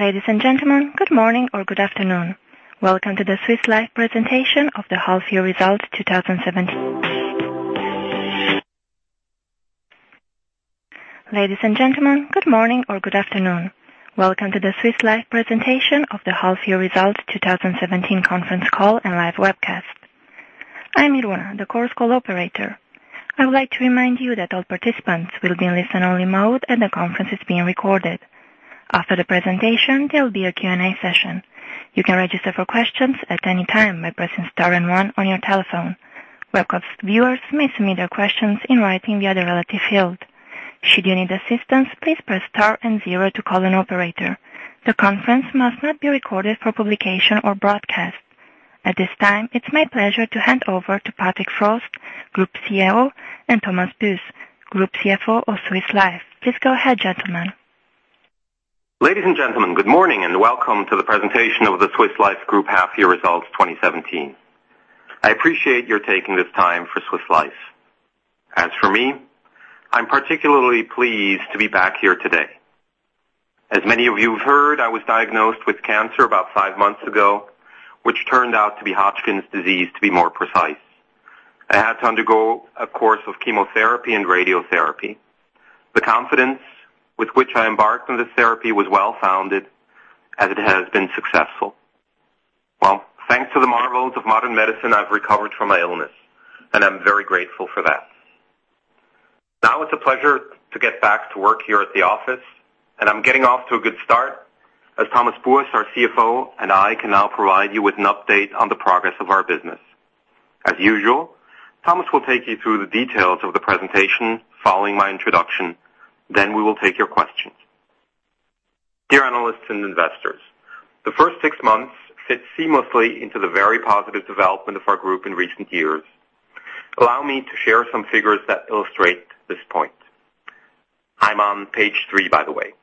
Ladies and gentlemen, good morning or good afternoon. Welcome to the Swiss Life presentation of the half year results 2017. Ladies and gentlemen, good morning or good afternoon. Welcome to the Swiss Life presentation of the half year results 2017 conference call and live webcast. I'm Runa, the conference call operator. I would like to remind you that all participants will be in listen-only mode, and the conference is being recorded. After the presentation, there will be a Q&A session. You can register for questions at any time by pressing star and one on your telephone. Webcast viewers may submit their questions in writing via the relative field. Should you need assistance, please press star and zero to call an operator. The conference must not be recorded for publication or broadcast. At this time, it's my pleasure to hand over to Patrick Frost, Group CEO, and Thomas Buess, Group CFO of Swiss Life. Please go ahead, gentlemen. Ladies and gentlemen, good morning and welcome to the presentation of the Swiss Life Group half year results 2017. I appreciate your taking this time for Swiss Life. As for me, I'm particularly pleased to be back here today. As many of you've heard, I was diagnosed with cancer about five months ago, which turned out to be Hodgkin's disease, to be more precise. I had to undergo a course of chemotherapy and radiotherapy. The confidence with which I embarked on this therapy was well-founded, as it has been successful. Well, thanks to the marvels of modern medicine, I've recovered from my illness, and I'm very grateful for that. Now it's a pleasure to get back to work here at the office, and I'm getting off to a good start as Thomas Buess, our CFO, and I can now provide you with an update on the progress of our business. As usual, Thomas will take you through the details of the presentation following my introduction. We will take your questions. Dear analysts and investors, the first six months fit seamlessly into the very positive development of our group in recent years. Allow me to share some figures that illustrate this point. I'm on page three, by the way.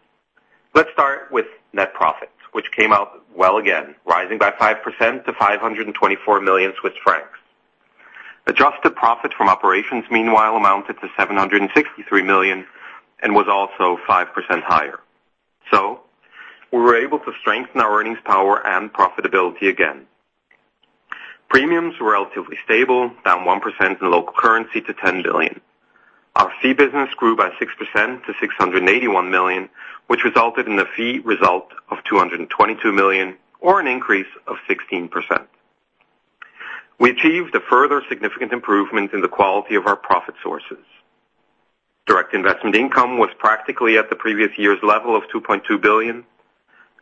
Let's start with net profits, which came out well again, rising by 5% to 524 million Swiss francs. Adjusted profit from operations, meanwhile, amounted to 763 million and was also 5% higher. We were able to strengthen our earnings power and profitability again. Premiums were relatively stable, down 1% in local currency to 10 billion. Our fee business grew by 6% to 681 million, which resulted in a fee result of 222 million, or an increase of 16%. We achieved a further significant improvement in the quality of our profit sources. Direct investment income was practically at the previous year's level of 2.2 billion,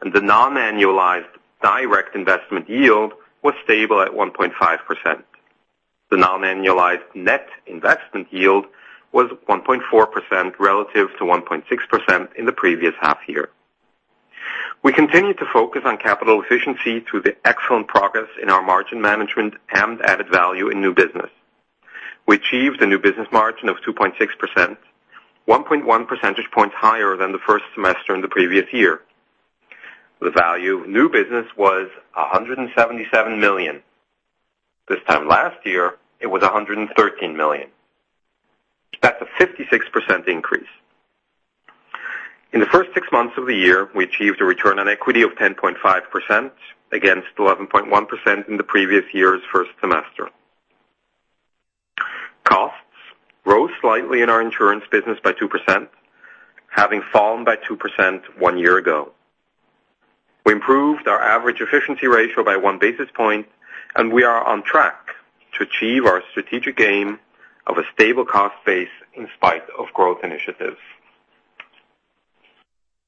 and the non-annualized direct investment yield was stable at 1.5%. The non-annualized net investment yield was 1.4% relative to 1.6% in the previous half year. We continued to focus on capital efficiency through the excellent progress in our margin management and added value in new business. We achieved a new business margin of 2.6%, 1.1 percentage points higher than the first semester in the previous year. The value of new business was CHF 177 million. This time last year, it was CHF 113 million. That's a 56% increase. In the first six months of the year, we achieved a return on equity of 10.5% against 11.1% in the previous year's first semester. Costs rose slightly in our insurance business by 2%, having fallen by 2% one year ago. We improved our average efficiency ratio by one basis point. We are on track to achieve our strategic aim of a stable cost base in spite of growth initiatives.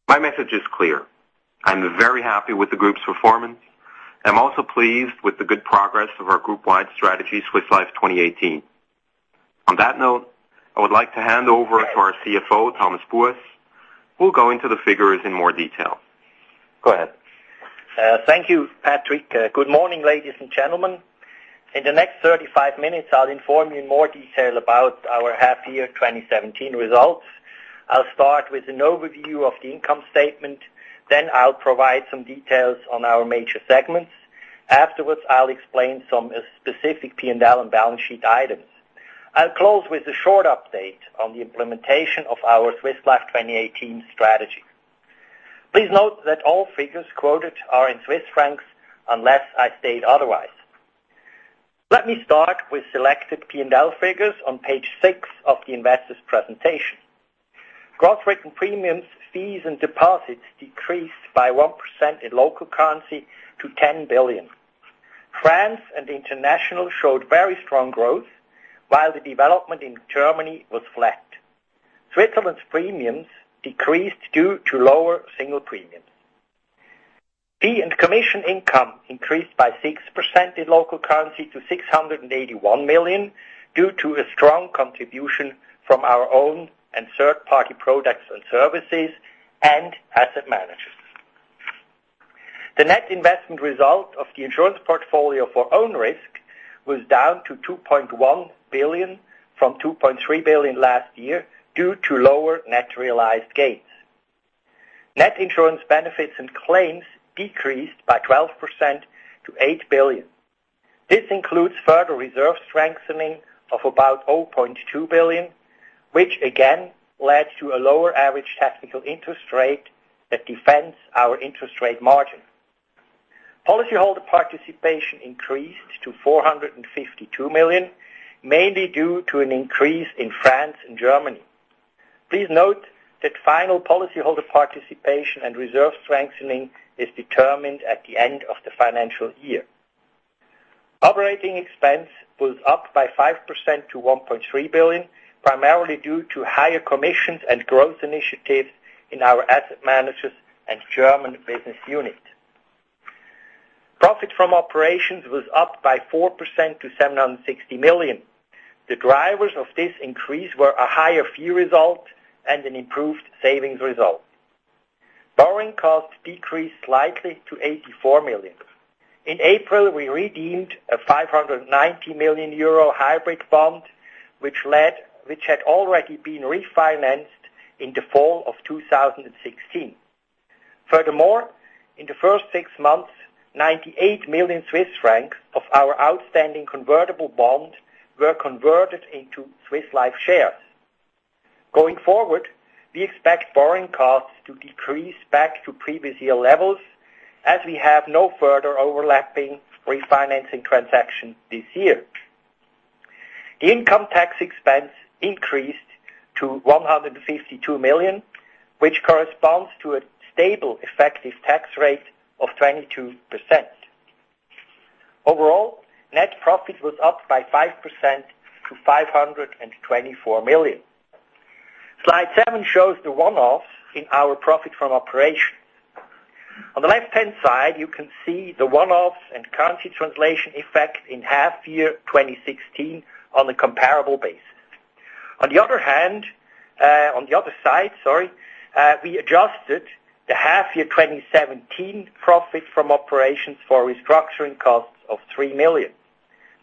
My message is clear. I'm very happy with the group's performance. I'm also pleased with the good progress of our group-wide strategy, Swiss Life 2018. On that note, I would like to hand over to our CFO, Thomas Buess, who'll go into the figures in more detail. Go ahead. Thank you, Patrick. Good morning, ladies and gentlemen. In the next 35 minutes, I'll inform you in more detail about our half year 2017 results. I'll start with an overview of the income statement, then I'll provide some details on our major segments. Afterwards, I'll explain some specific P&L and balance sheet items. I'll close with a short update on the implementation of our Swiss Life 2018 strategy. Please note that all figures quoted are in Swiss francs unless I state otherwise. Let me start with selected P&L figures on page six of the investors' presentation. Gross written premiums, fees, and deposits decreased by 1% in local currency to 10 billion. France and International showed very strong growth, while the development in Germany was flat. Switzerland's premiums decreased due to lower single premiums. Fee and commission income increased by 6% in local currency to 681 million due to a strong contribution from our own and third-party products and services and Asset Managers. The net investment result of the insurance portfolio for own risk was down to 2.1 billion from 2.3 billion last year due to lower net realized gains. Net insurance benefits and claims decreased by 12% to 8 billion. This includes further reserve strengthening of about 0.2 billion, which again led to a lower average technical interest rate that defends our interest rate margin. Policyholder participation increased to 452 million, mainly due to an increase in France and Germany. Please note that final policyholder participation and reserve strengthening is determined at the end of the financial year. Operating expense was up by 5% to 1.3 billion, primarily due to higher commissions and growth initiatives in our Asset Managers and German business unit. Profit from operations was up by 4% to 760 million. The drivers of this increase were a higher fee result and an improved savings result. Borrowing costs decreased slightly to 84 million. In April, we redeemed a €590 million hybrid bond, which had already been refinanced in the fall of 2016. Furthermore, in the first six months, 98 million Swiss francs of our outstanding convertible bonds were converted into Swiss Life shares. Going forward, we expect borrowing costs to decrease back to previous year levels as we have no further overlapping refinancing transaction this year. Income tax expense increased to 152 million, which corresponds to a stable effective tax rate of 22%. Overall, net profit was up by 5% to 524 million. Slide seven shows the one-offs in our profit from operations. On the left-hand side, you can see the one-offs and currency translation effect in half year 2016 on a comparable basis. On the other side, sorry, we adjusted the half year 2017 profit from operations for restructuring costs of 3 million.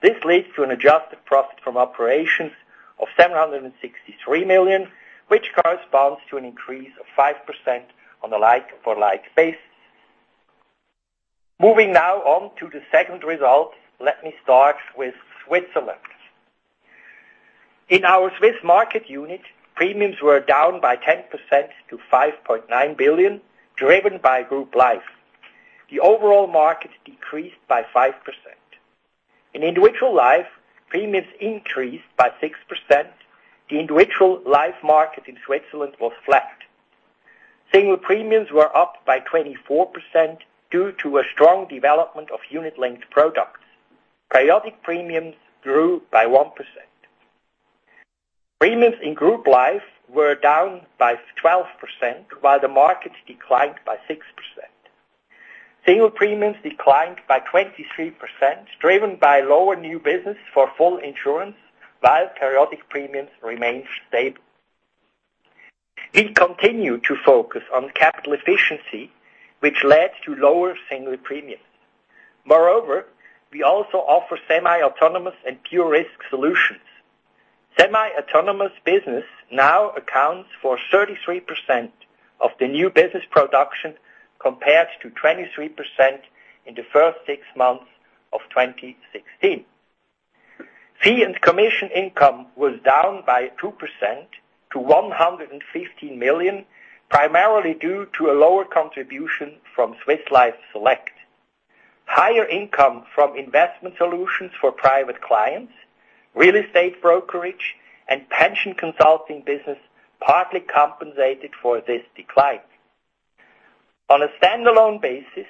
This leads to an adjusted profit from operations of 763 million, which corresponds to an increase of 5% on a like-for-like basis. Moving now on to the second result, let me start with Switzerland. In our Swiss market unit, premiums were down by 10% to 5.9 billion, driven by group life. The overall market decreased by 5%. In individual life, premiums increased by 6%. The individual life market in Switzerland was flat. Single premiums were up by 24% due to a strong development of unit-linked products. Periodic premiums grew by 1%. Premiums in group life were down by 12%, while the market declined by 6%. Single premiums declined by 23%, driven by lower new business for full insurance, while periodic premiums remained stable. We continue to focus on capital efficiency, which led to lower single premiums. Moreover, we also offer semi-autonomous and pure risk solutions. Semi-autonomous business now accounts for 33% of the new business production, compared to 23% in the first six months of 2016. Fee and commission income was down by 2% to 115 million, primarily due to a lower contribution from Swiss Life Select. Higher income from investment solutions for private clients, real estate brokerage, and pension consulting business partly compensated for this decline. On a standalone basis,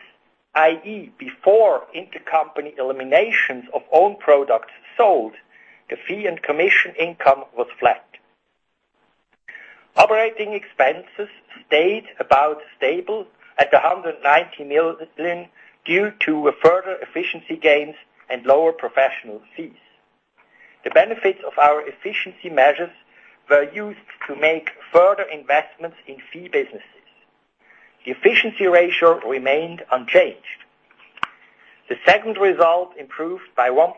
i.e., before intercompany eliminations of own products sold, the fee and commission income was flat. Operating expenses stayed about stable at 190 million due to further efficiency gains and lower professional fees. The benefits of our efficiency measures were used to make further investments in fee businesses. The efficiency ratio remained unchanged. The second result improved by 1%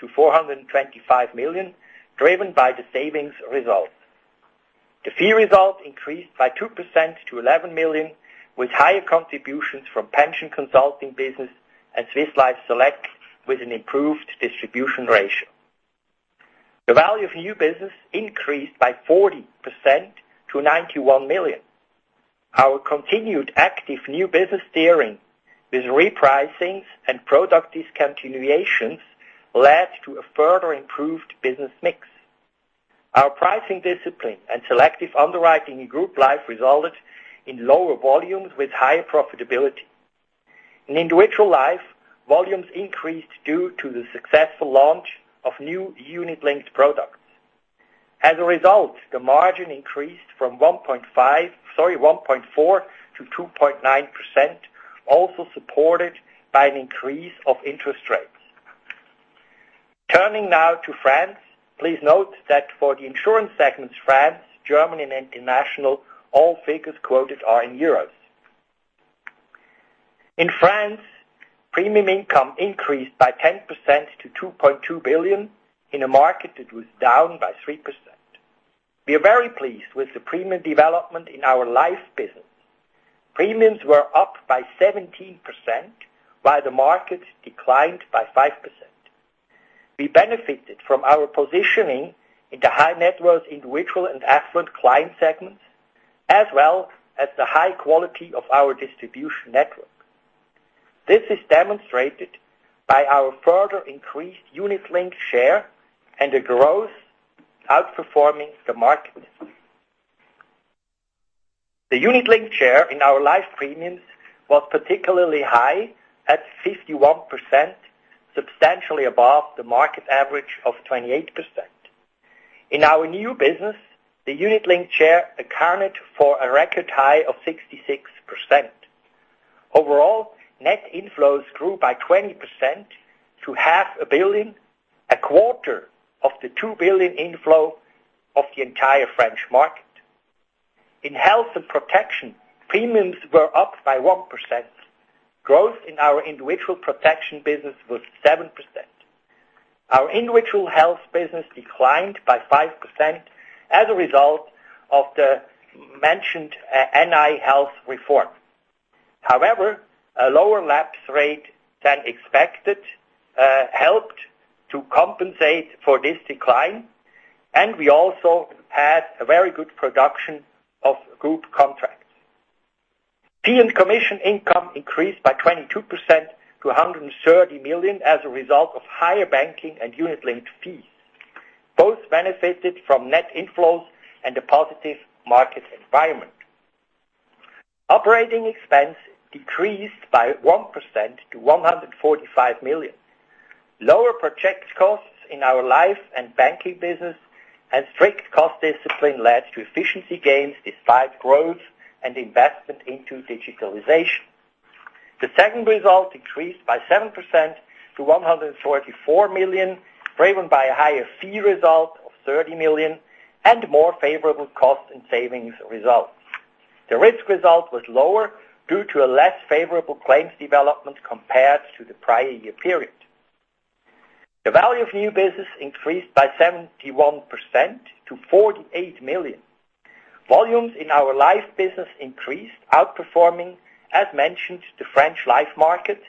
to 425 million, driven by the savings result. The fee result increased by 2% to 11 million, with higher contributions from pension consulting business and Swiss Life Select with an improved distribution ratio. The value of new business increased by 40% to 91 million. Our continued active new business steering with repricings and product discontinuations led to a further improved business mix. Our pricing discipline and selective underwriting in group life resulted in lower volumes with higher profitability. In individual life, volumes increased due to the successful launch of new unit-linked products. As a result, the margin increased from 1.4% to 2.9%, also supported by an increase of interest rates. Turning now to France. Please note that for the insurance segments, France, Germany, and International, all figures quoted are in EUR. In France, premium income increased by 10% to 2.2 billion in a market that was down by 3%. We are very pleased with the premium development in our life business. Premiums were up by 17%, while the market declined by 5%. We benefited from our positioning in the high net worth individual and affluent client segments, as well as the high quality of our distribution network. This is demonstrated by our further increased unit link share and the growth outperforming the market. The unit link share in our life premiums was particularly high at 51%, substantially above the market average of 28%. In our new business, the unit link share accounted for a record high of 66%. Overall, net inflows grew by 20% to half a billion, a quarter of the 2 billion inflow of the entire French market. In health and protection, premiums were up by 1%. Growth in our individual protection business was 7%. Our individual health business declined by 5% as a result of the mentioned ANI health reform. A lower lapse rate than expected helped to compensate for this decline, and we also had a very good production of group contracts. Fee and commission income increased by 22% to 130 million as a result of higher banking and unit link fees. Both benefited from net inflows and a positive market environment. Operating expense decreased by 1% to 145 million. Lower project costs in our life and banking business and strict cost discipline led to efficiency gains despite growth and investment into digitalization. The segment result increased by 7% to 144 million, driven by a higher fee result of 30 million and more favorable cost and savings result. The risk result was lower due to a less favorable claims development compared to the prior year period. The VNB increased by 71% to 48 million. Volumes in our life business increased, outperforming, as mentioned, the French life market,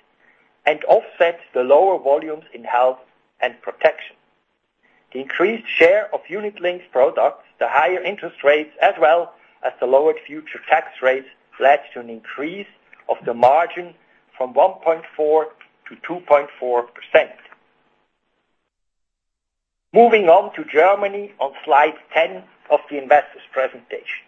and offset the lower volumes in health and protection. The increased share of unit links products, the higher interest rates, as well as the lower future tax rates, led to an increase of the margin from 1.4% to 2.4%. Moving on to Germany on slide 10 of the investor's presentation.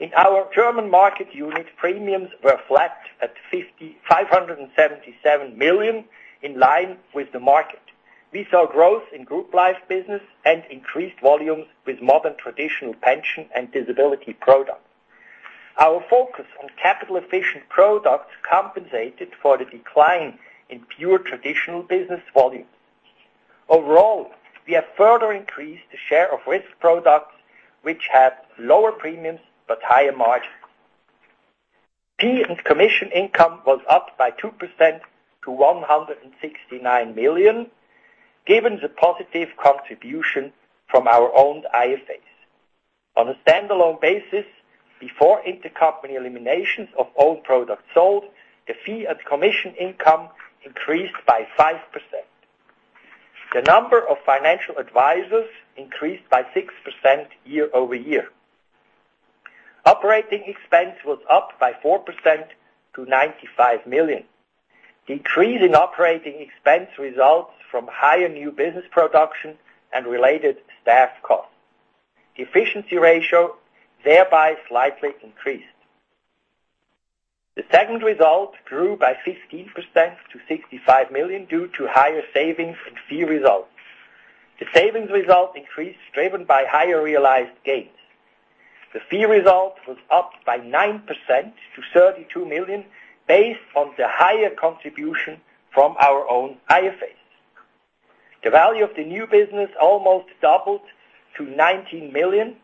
In our German market unit, premiums were flat at 577 million, in line with the market. We saw growth in group life business and increased volumes with modern traditional pension and disability products. Our focus on capital-efficient products compensated for the decline in pure traditional business volume. Overall, we have further increased the share of risk products, which had lower premiums but higher margin. Fee and commission income was up by 2% to 169 million, given the positive contribution from our owned IFAs. On a standalone basis, before intercompany eliminations of own products sold, the fee and commission income increased by 5%. The number of financial advisors increased by 6% year-over-year. Operating expense was up by 4% to 95 million. Decrease in operating expense results from higher new business production and related staff costs. The efficiency ratio thereby slightly increased. The segment result grew by 15% to 65 million due to higher savings and fee results. The savings result increased, driven by higher realized gains. The fee result was up by 9% to 32 million, based on the higher contribution from our own IFAs. The value of the new business almost doubled to 19 million.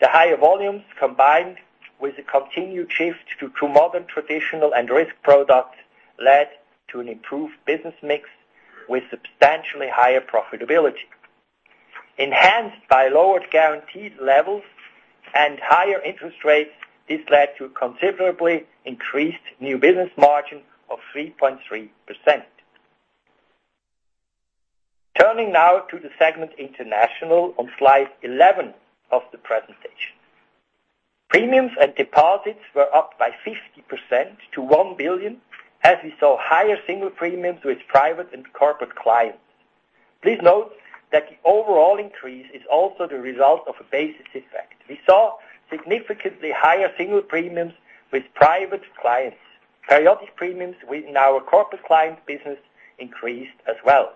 The higher volumes, combined with a continued shift to modern traditional and risk products, led to an improved business mix with substantially higher profitability. Enhanced by lowered guarantees levels and higher interest rates, this led to considerably increased new business margin of 3.3%. Turning now to the segment international on slide 11 of the presentation. Premiums and deposits were up by 50% to 1 billion, as we saw higher single premiums with private and corporate clients. Please note that the overall increase is also the result of a basis effect. We saw significantly higher single premiums with private clients. Periodic premiums within our corporate clients business increased as well.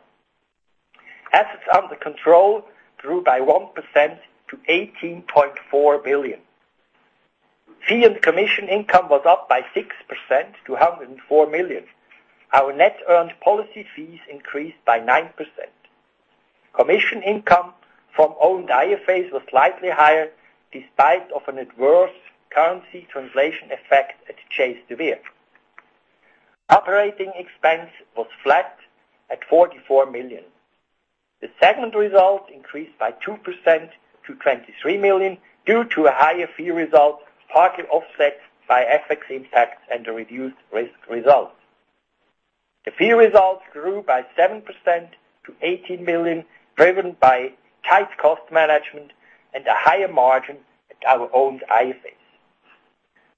Assets under control grew by 1% to 18.4 billion. Fee and commission income was up by 6% to 104 million. Our net earned policy fees increased by 9%. Commission income from owned IFAs was slightly higher despite an adverse currency translation effect at Chase de Vere. Operating expense was flat at 44 million. The segment result increased by 2% to 23 million, due to a higher fee result, partly offset by FX impacts and a reduced risk result. The fee results grew by 7% to 18 million, driven by tight cost management and a higher margin at our owned IFAs.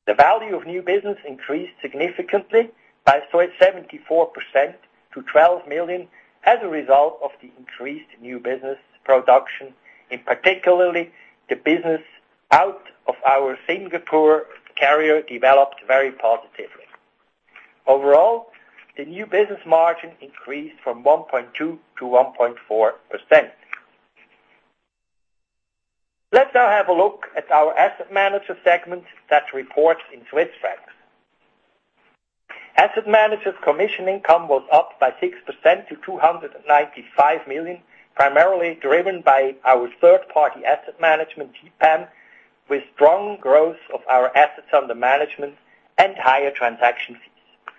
The value of new business increased significantly by 74% to 12 million as a result of the increased new business production, in particular the business out of our Singapore carrier developed very positively. Overall, the new business margin increased from 1.2% to 1.4%. Let's now have a look at our asset manager segment that reports in Swiss francs. Asset managers commission income was up by 6% to 295 million, primarily driven by our third-party asset management, TPAM, with strong growth of our assets under management and higher transaction fees.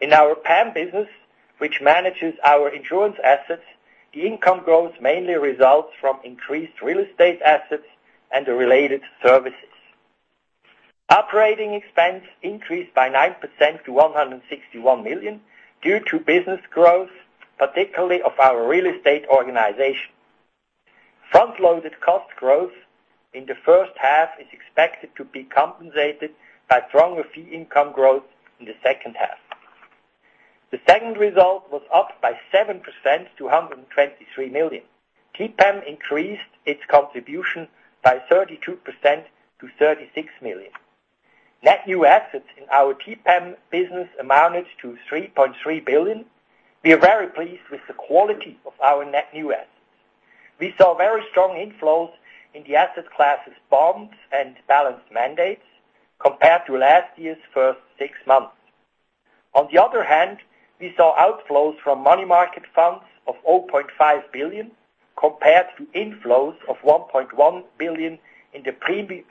In our PAM business, which manages our insurance assets, the income growth mainly results from increased real estate assets and the related services. Operating expense increased by 9% to 161 million, due to business growth, particularly of our real estate organization. Front-loaded cost growth in the first half is expected to be compensated by stronger fee income growth in the second half. The second result was up by 7% to 123 million. TPAM increased its contribution by 32% to 36 million. Net new assets in our TPAM business amounted to 3.3 billion. We are very pleased with the quality of our net new assets. We saw very strong inflows in the asset classes bonds and balanced mandates compared to last year's first six months. On the other hand, we saw outflows from money market funds of 0.5 billion, compared to inflows of 1.1 billion in the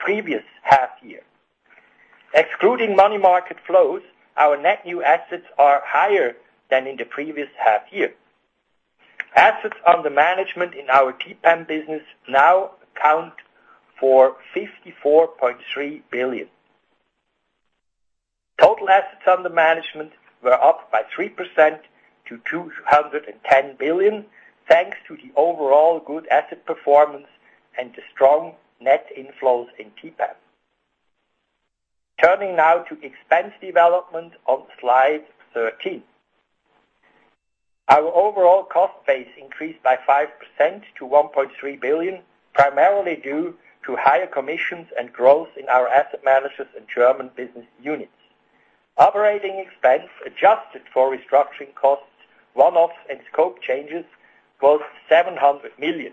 previous half year. Excluding money market flows, our net new assets are higher than in the previous half year. Assets under management in our TPAM business now account for 54.3 billion. Total assets under management were up by 3% to 210 billion, thanks to the overall good asset performance and the strong net inflows in TPAM. Turning now to expense development on slide 13. Our overall cost base increased by 5% to 1.3 billion, primarily due to higher commissions and growth in our asset managers and German business units. Operating expense adjusted for restructuring costs, one-offs, and scope changes was 700 million.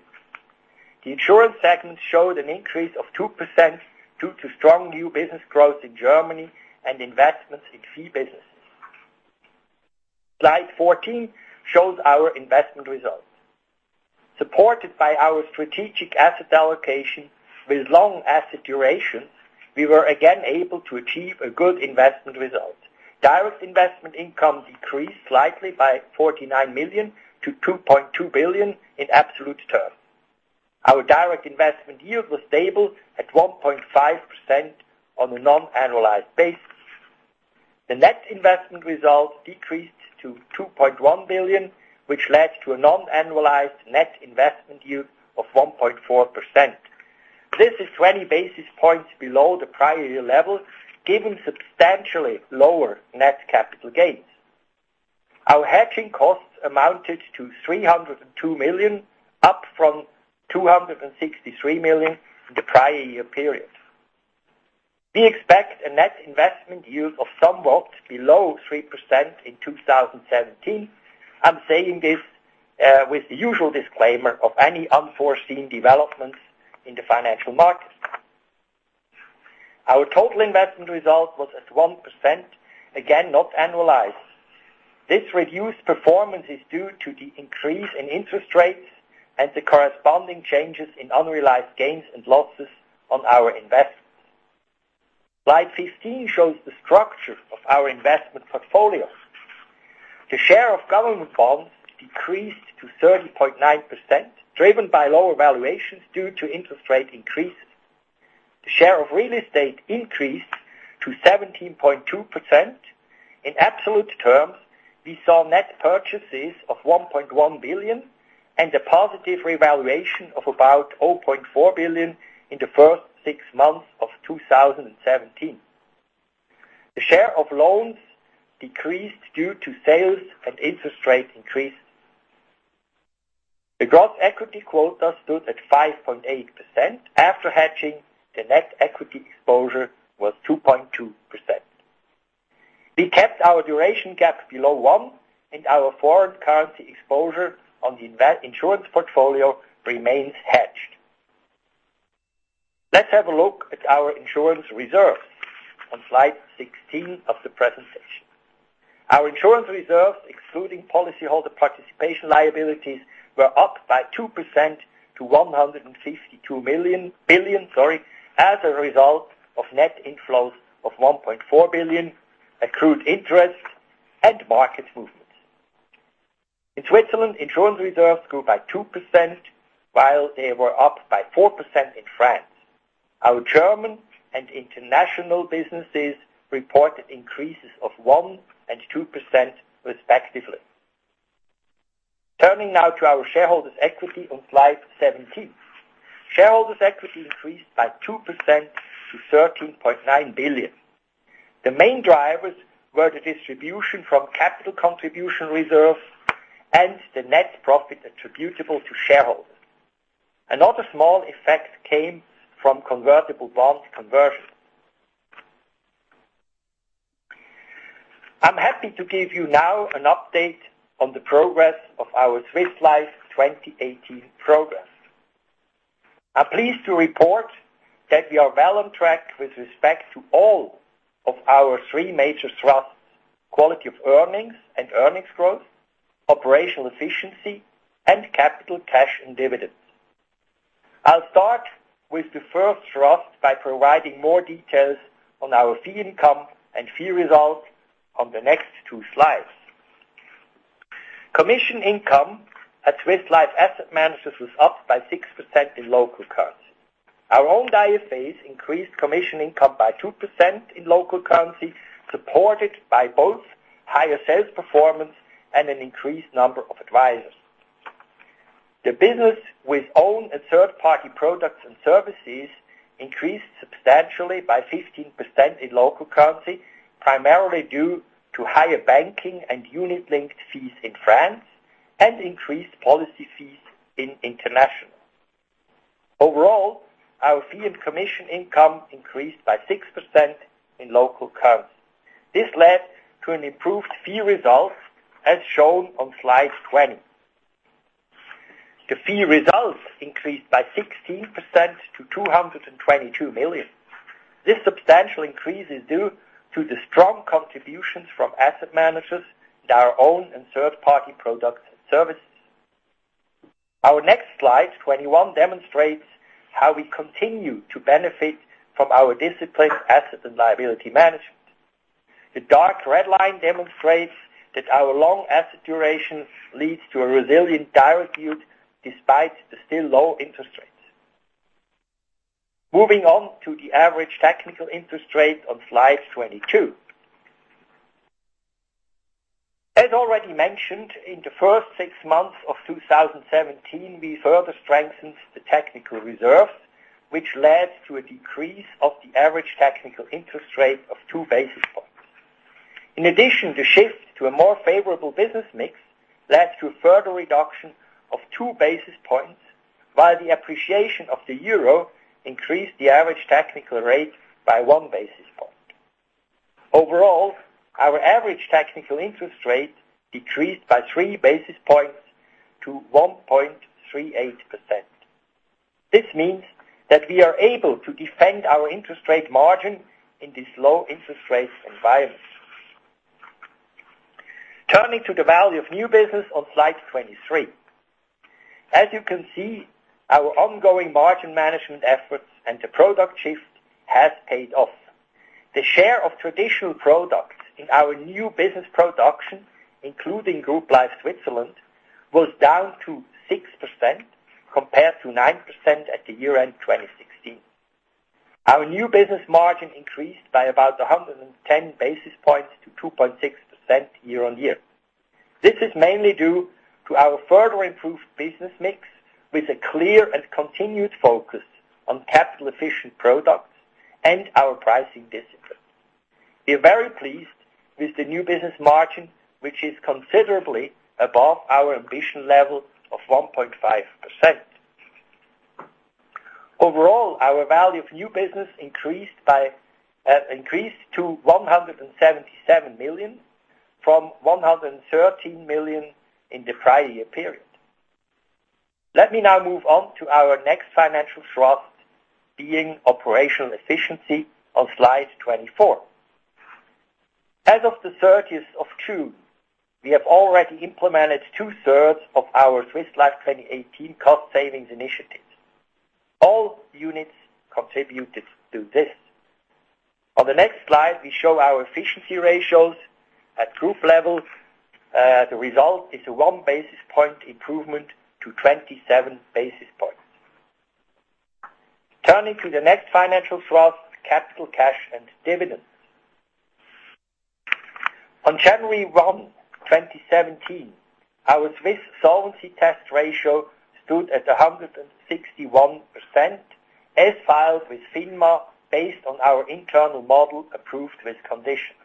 The insurance segment showed an increase of 2% due to strong new business growth in Germany and investments in fee businesses. Slide 14 shows our investment results. Supported by our strategic asset allocation with long asset duration, we were again able to achieve a good investment result. Direct investment income decreased slightly by 49 million to 2.2 billion in absolute terms. Our direct investment yield was stable at 1.5% on a non-annualized basis. The net investment result decreased to 2.1 billion, which led to a non-annualized net investment yield of 1.4%. This is 20 basis points below the prior year level, given substantially lower net capital gains. Our hedging costs amounted to 302 million, up from 263 million in the prior year period. We expect a net investment yield of somewhat below 3% in 2017. I'm saying this with the usual disclaimer of any unforeseen developments in the financial markets. Our total investment result was at 1%, again, not annualized. This reduced performance is due to the increase in interest rates and the corresponding changes in unrealized gains and losses on our investments. Slide 15 shows the structure of our investment portfolio. The share of government bonds decreased to 30.9%, driven by lower valuations due to interest rate increases. The share of real estate increased to 17.2%. In absolute terms, we saw net purchases of 1.1 billion and a positive revaluation of about 0.4 billion in the first six months of 2017. The share of loans decreased due to sales and interest rate increases. The gross equity quota stood at 5.8%. After hedging, the net equity exposure was 2.2%. We kept our duration gap below one, and our foreign currency exposure on the insurance portfolio remains hedged. Let's have a look at our insurance reserves on slide 16 of the presentation. Our insurance reserves, excluding policyholder participation liabilities, were up by 2% to 152 billion, as a result of net inflows of 1.4 billion, accrued interest and market movements. In Switzerland, insurance reserves grew by 2%, while they were up by 4% in France. Our German and international businesses reported increases of 1% and 2% respectively. Turning now to our shareholders' equity on slide 17. Shareholders' equity increased by 2% to 13.9 billion. The main drivers were the distribution from capital contribution reserves and the net profit attributable to shareholders. Another small effect came from convertible bonds conversion. I'm happy to give you now an update on the progress of our Swiss Life 2018 progress. I'm pleased to report that we are well on track with respect to all of our three major thrusts, quality of earnings and earnings growth, operational efficiency, and capital cash and dividends. I'll start with the first thrust by providing more details on our fee income and fee results on the next two slides. Commission income at Swiss Life Asset Managers was up by 6% in local currency. Our owned IFAs increased commission income by 2% in local currency, supported by both higher sales performance and an increased number of advisors. The business with own and third-party products and services increased substantially by 15% in local currency, primarily due to higher banking and unit-linked fees in France, and increased policy fees in international. Overall, our fee and commission income increased by 6% in local currency. This led to an improved fee result as shown on slide 20. The fee results increased by 16% to 222 million. This substantial increase is due to the strong contributions from asset managers and our own and third-party products and services. Our next slide 21 demonstrates how we continue to benefit from our disciplined asset and liability management. The dark red line demonstrates that our long asset duration leads to a resilient direct yield despite the still low interest rates. Moving on to the average technical interest rate on slide 22. As already mentioned, in the first six months of 2017, we further strengthened the technical reserves, which led to a decrease of the average technical interest rate of two basis points. In addition, the shift to a more favorable business mix led to a further reduction of two basis points, while the appreciation of the EUR increased the average technical rate by one basis point. Our average technical interest rate decreased by three basis points to 1.38%. This means that we are able to defend our interest rate margin in this low interest rate environment. Turning to the value of new business on slide 23. As you can see, our ongoing margin management efforts and the product shift has paid off. The share of traditional products in our new business production, including Group Life Switzerland, was down to 6%, compared to 9% at the year-end 2016. Our new business margin increased by about 110 basis points to 2.6% year-over-year. This is mainly due to our further improved business mix with a clear and continued focus on capital efficient products and our pricing discipline. We are very pleased with the new business margin, which is considerably above our ambition level of 1.5%. Our value of new business increased to 177 million from 113 million in the prior year period. Let me now move on to our next financial thrust, being operational efficiency, on slide 24. As of the 30th of June, we have already implemented two-thirds of our Swiss Life 2018 cost savings initiatives. All units contributed to this. On the next slide, we show our efficiency ratios at group level. The result is a one basis point improvement to 27 basis points. Turning to the next financial thrust, capital cash and dividends. On January one, 2017, our Swiss Solvency Test ratio stood at 161%, as filed with FINMA, based on our internal model approved with conditions.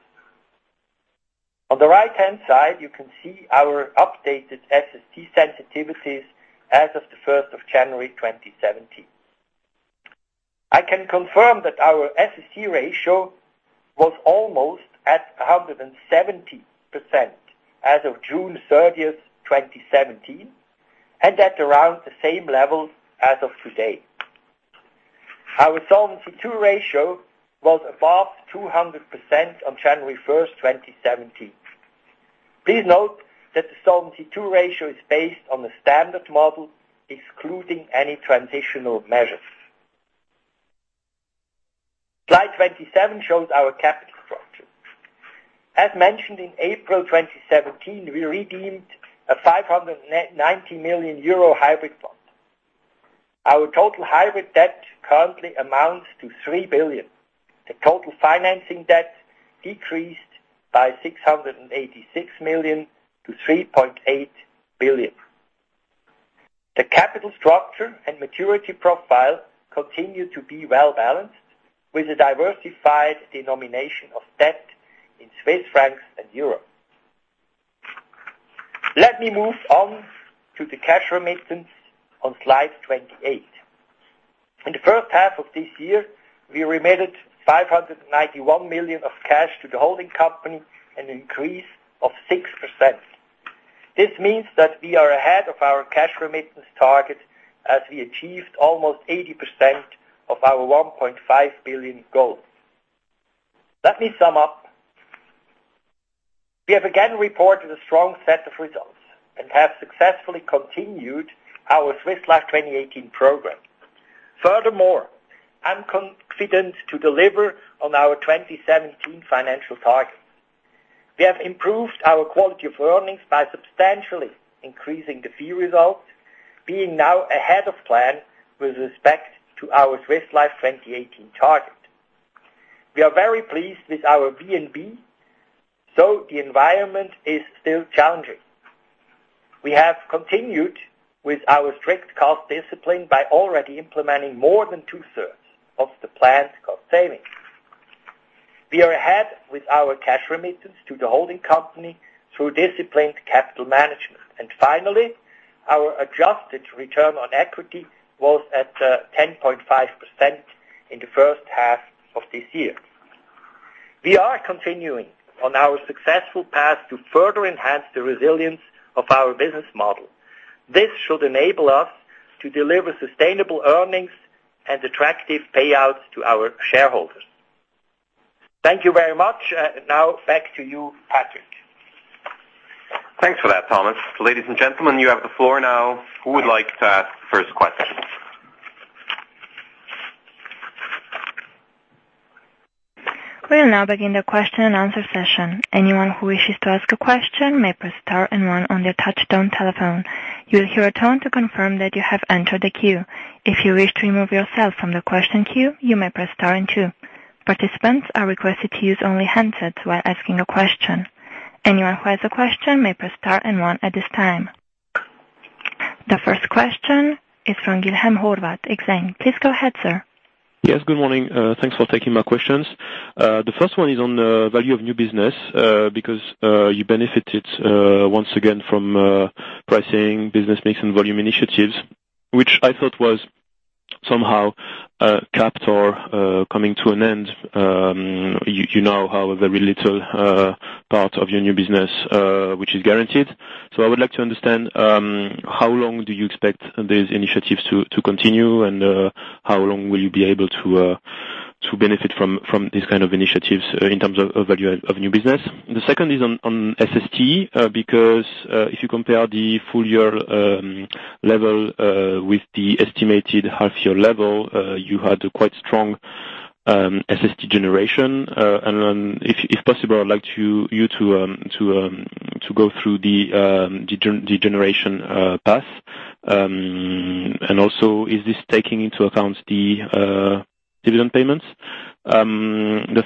On the right-hand side, you can see our updated SST sensitivities as of the 1st of January 2017. I can confirm that our SST ratio was almost at 170% as of June 30th, 2017, and at around the same level as of today. Our Solvency II ratio was above 200% on January 1st, 2017. Please note that the Solvency II ratio is based on the standard model, excluding any transitional measures. Slide 27 shows our capital structure. As mentioned in April 2017, we redeemed a 590 million euro hybrid bond. Our total hybrid debt currently amounts to three billion. The total financing debt decreased by 686 million to 3.8 billion. The capital structure and maturity profile continue to be well-balanced with a diversified denomination of debt in Swiss francs and EUR. Let me move on to the cash remittance on slide 28. In the first half of this year, we remitted 591 million of cash to the holding company, an increase of 6%. This means that we are ahead of our cash remittance target as we achieved almost 80% of our 1.5 billion goal. Let me sum up. We have again reported a strong set of results and have successfully continued our Swiss Life 2018 program. Furthermore, I'm confident to deliver on our 2017 financial targets. We have improved our quality of earnings by substantially increasing the fee results, being now ahead of plan with respect to our Swiss Life 2018 target. We are very pleased with our VNB, though the environment is still challenging. We have continued with our strict cost discipline by already implementing more than two-thirds of the planned cost savings. We are ahead with our cash remittance to the holding company through disciplined capital management. Finally, our adjusted return on equity was at 10.5% in the first half of this year. We are continuing on our successful path to further enhance the resilience of our business model. This should enable us to deliver sustainable earnings and attractive payouts to our shareholders. Thank you very much. Now back to you, Patrick. Thanks for that, Thomas. Ladies and gentlemen, you have the floor now. Who would like to ask the first question? We will now begin the question and answer session. Anyone who wishes to ask a question may press star and one on their touchtone telephone. You will hear a tone to confirm that you have entered the queue. If you wish to remove yourself from the question queue, you may press star and two. Participants are requested to use only handsets while asking a question. Anyone who has a question may press star and one at this time. The first question is from Guillaume Horvat, Exane. Please go ahead, sir. Yes, good morning. Thanks for taking my questions. The first one is on the value of new business, because you benefited once again from pricing business mix and volume initiatives, which I thought was somehow capped or coming to an end. You now have a very little part of your new business which is guaranteed. I would like to understand how long do you expect these initiatives to continue and how long will you be able to benefit from these kind of initiatives in terms of value of new business? The second is on SST, because if you compare the full year level with the estimated half year level, you had a quite strong SST generation. If possible, I'd like you to go through the generation path. Is this taking into account the dividend payments? The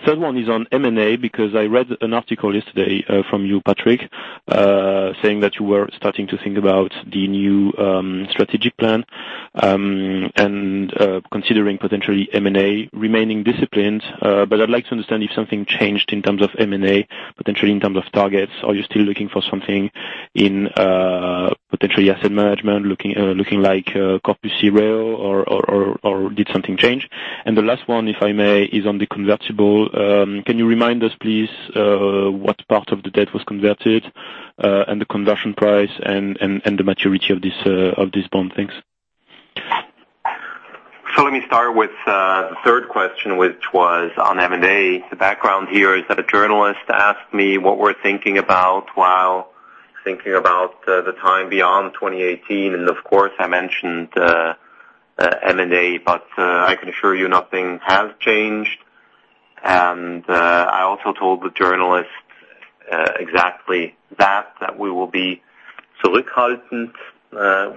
third one is on M&A, because I read an article yesterday from you, Patrick, saying that you were starting to think about the new strategic plan, and considering potentially M&A remaining disciplined. I'd like to understand if something changed in terms of M&A, potentially in terms of targets. Are you still looking for something in potentially asset management, looking like [inaudible] or did something change? The last one, if I may, is on the convertible. Can you remind us, please, what part of the debt was converted, and the conversion price and the maturity of this bond? Thanks. Let me start with the third question, which was on M&A. The background here is that a journalist asked me what we're thinking about while thinking about the time beyond 2018. Of course, I mentioned M&A. I can assure you nothing has changed. I also told the journalist exactly that we will be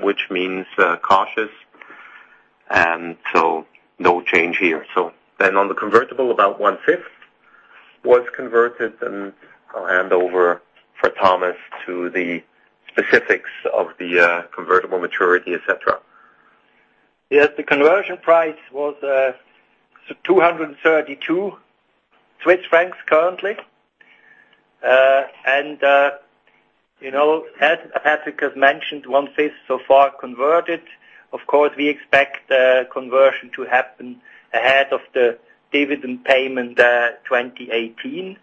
which means cautious. No change here. On the convertible, about one-fifth was converted. I'll hand over for Thomas to the specifics of the convertible maturity, et cetera. Yes, the conversion price was 232 Swiss francs currently. As Patrick has mentioned, one-fifth so far converted. Of course, we expect conversion to happen ahead of the dividend payment 2018.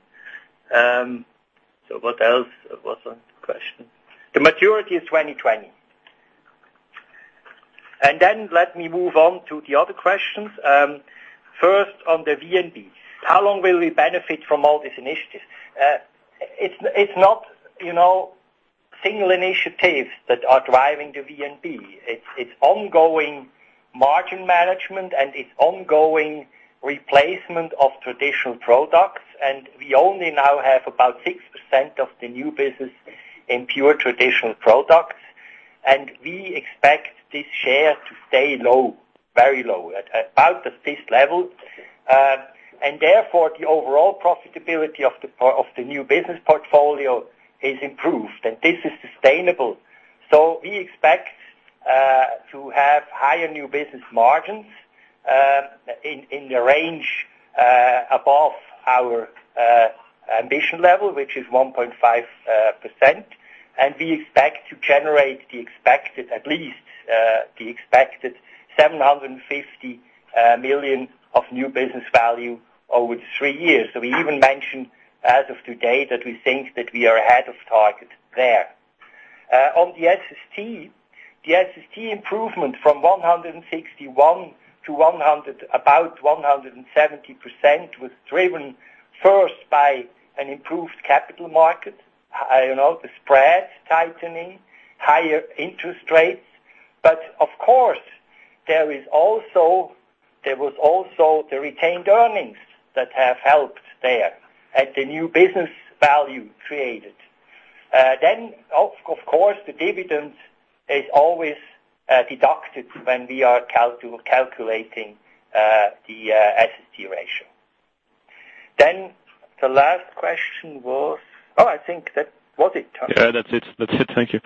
What else was the question? The maturity is 2020. Let me move on to the other questions. First on the VNB. How long will we benefit from all these initiatives? It's not Single initiatives that are driving the VNB. It's ongoing margin management and it's ongoing replacement of traditional products. We only now have about 6% of the new business in pure traditional products. We expect this share to stay low, very low, at about this level. The overall profitability of the new business portfolio is improved, and this is sustainable. We expect to have higher new business margins, in the range above our ambition level, which is 1.5%. We expect to generate at least the expected 750 million of new business value over the three years. We even mentioned as of today that we think that we are ahead of target there. On the SST. The SST improvement from 161%-170% was driven first by an improved capital market. The spread tightening, higher interest rates. Of course, there was also the retained earnings that have helped there at the new business value created. Of course, the dividend is always deducted when we are calculating the SST ratio. The last question, I think that was it. Yeah. That's it. Thank you.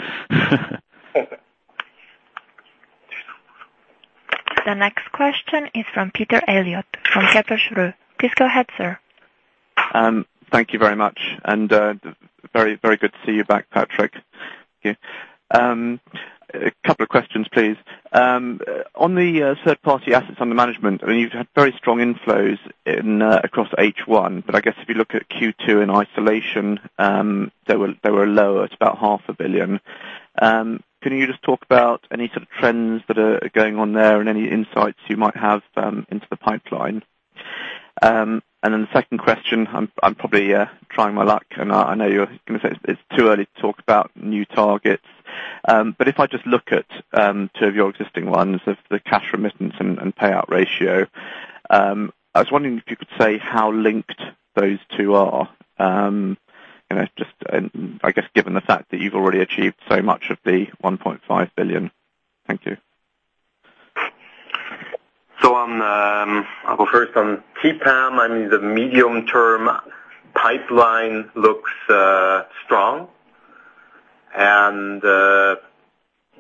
The next question is from Peter Eliot from Kepler Cheuvreux. Please go ahead, sir. Thank you very much. Very good to see you back, Patrick. Thank you. A couple of questions, please. On the third-party assets under management, you've had very strong inflows across H1. I guess if you look at Q2 in isolation, they were lower at about half a billion. Can you just talk about any sort of trends that are going on there and any insights you might have into the pipeline? The second question, I'm probably trying my luck, and I know you're going to say it's too early to talk about new targets. If I just look at two of your existing ones, the cash remittance and payout ratio, I was wondering if you could say how linked those two are. Just, I guess given the fact that you've already achieved so much of the 1.5 billion. Thank you. I'll go first on TPAM. I mean, the medium-term pipeline looks strong.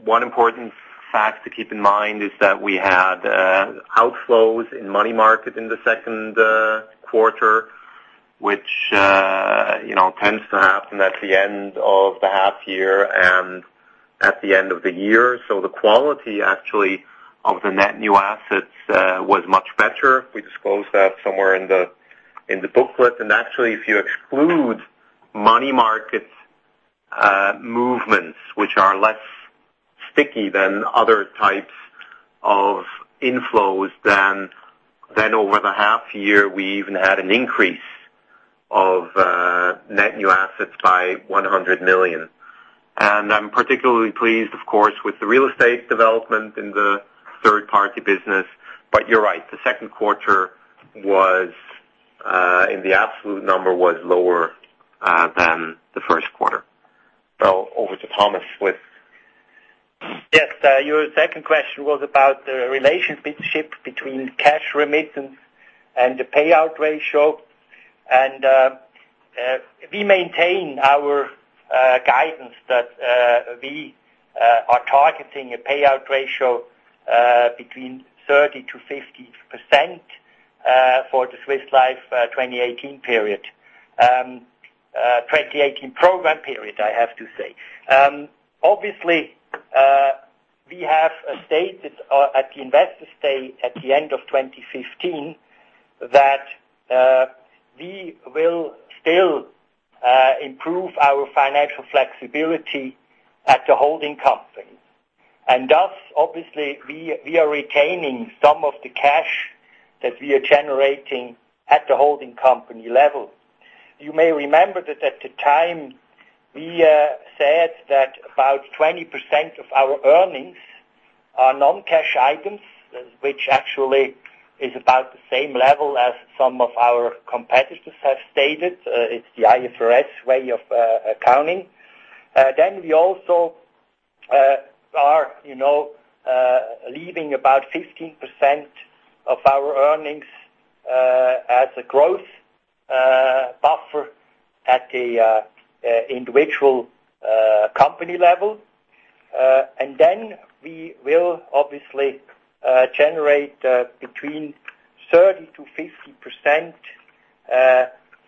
One important fact to keep in mind is that we had outflows in money market in the second quarter, which tends to happen at the end of the half year and at the end of the year. The quality actually of the net new assets was much better. We disclosed that somewhere in the booklet. Actually, if you exclude money market movements, which are less sticky than other types of inflows, then over the half year, we even had an increase of net new assets by 100 million. I'm particularly pleased, of course, with the real estate development in the third-party business. You're right. The second quarter in the absolute number was lower than the first quarter. Over to Thomas Buess. Yes. Your second question was about the relationship between cash remittance and the payout ratio. We maintain our guidance that we are targeting a payout ratio between 30%-50% for the Swiss Life 2018 program period, I have to say. Obviously, we have stated at the investor day at the end of 2015 that we will still improve our financial flexibility at the holding company. Obviously, we are retaining some of the cash that we are generating at the holding company level. You may remember that at the time, we said that about 20% of our earnings are non-cash items, which actually is about the same level as some of our competitors have stated. It's the IFRS way of accounting. We also are leaving about 15% of our earnings as a growth buffer at the individual company level. We will obviously generate between 30%-50%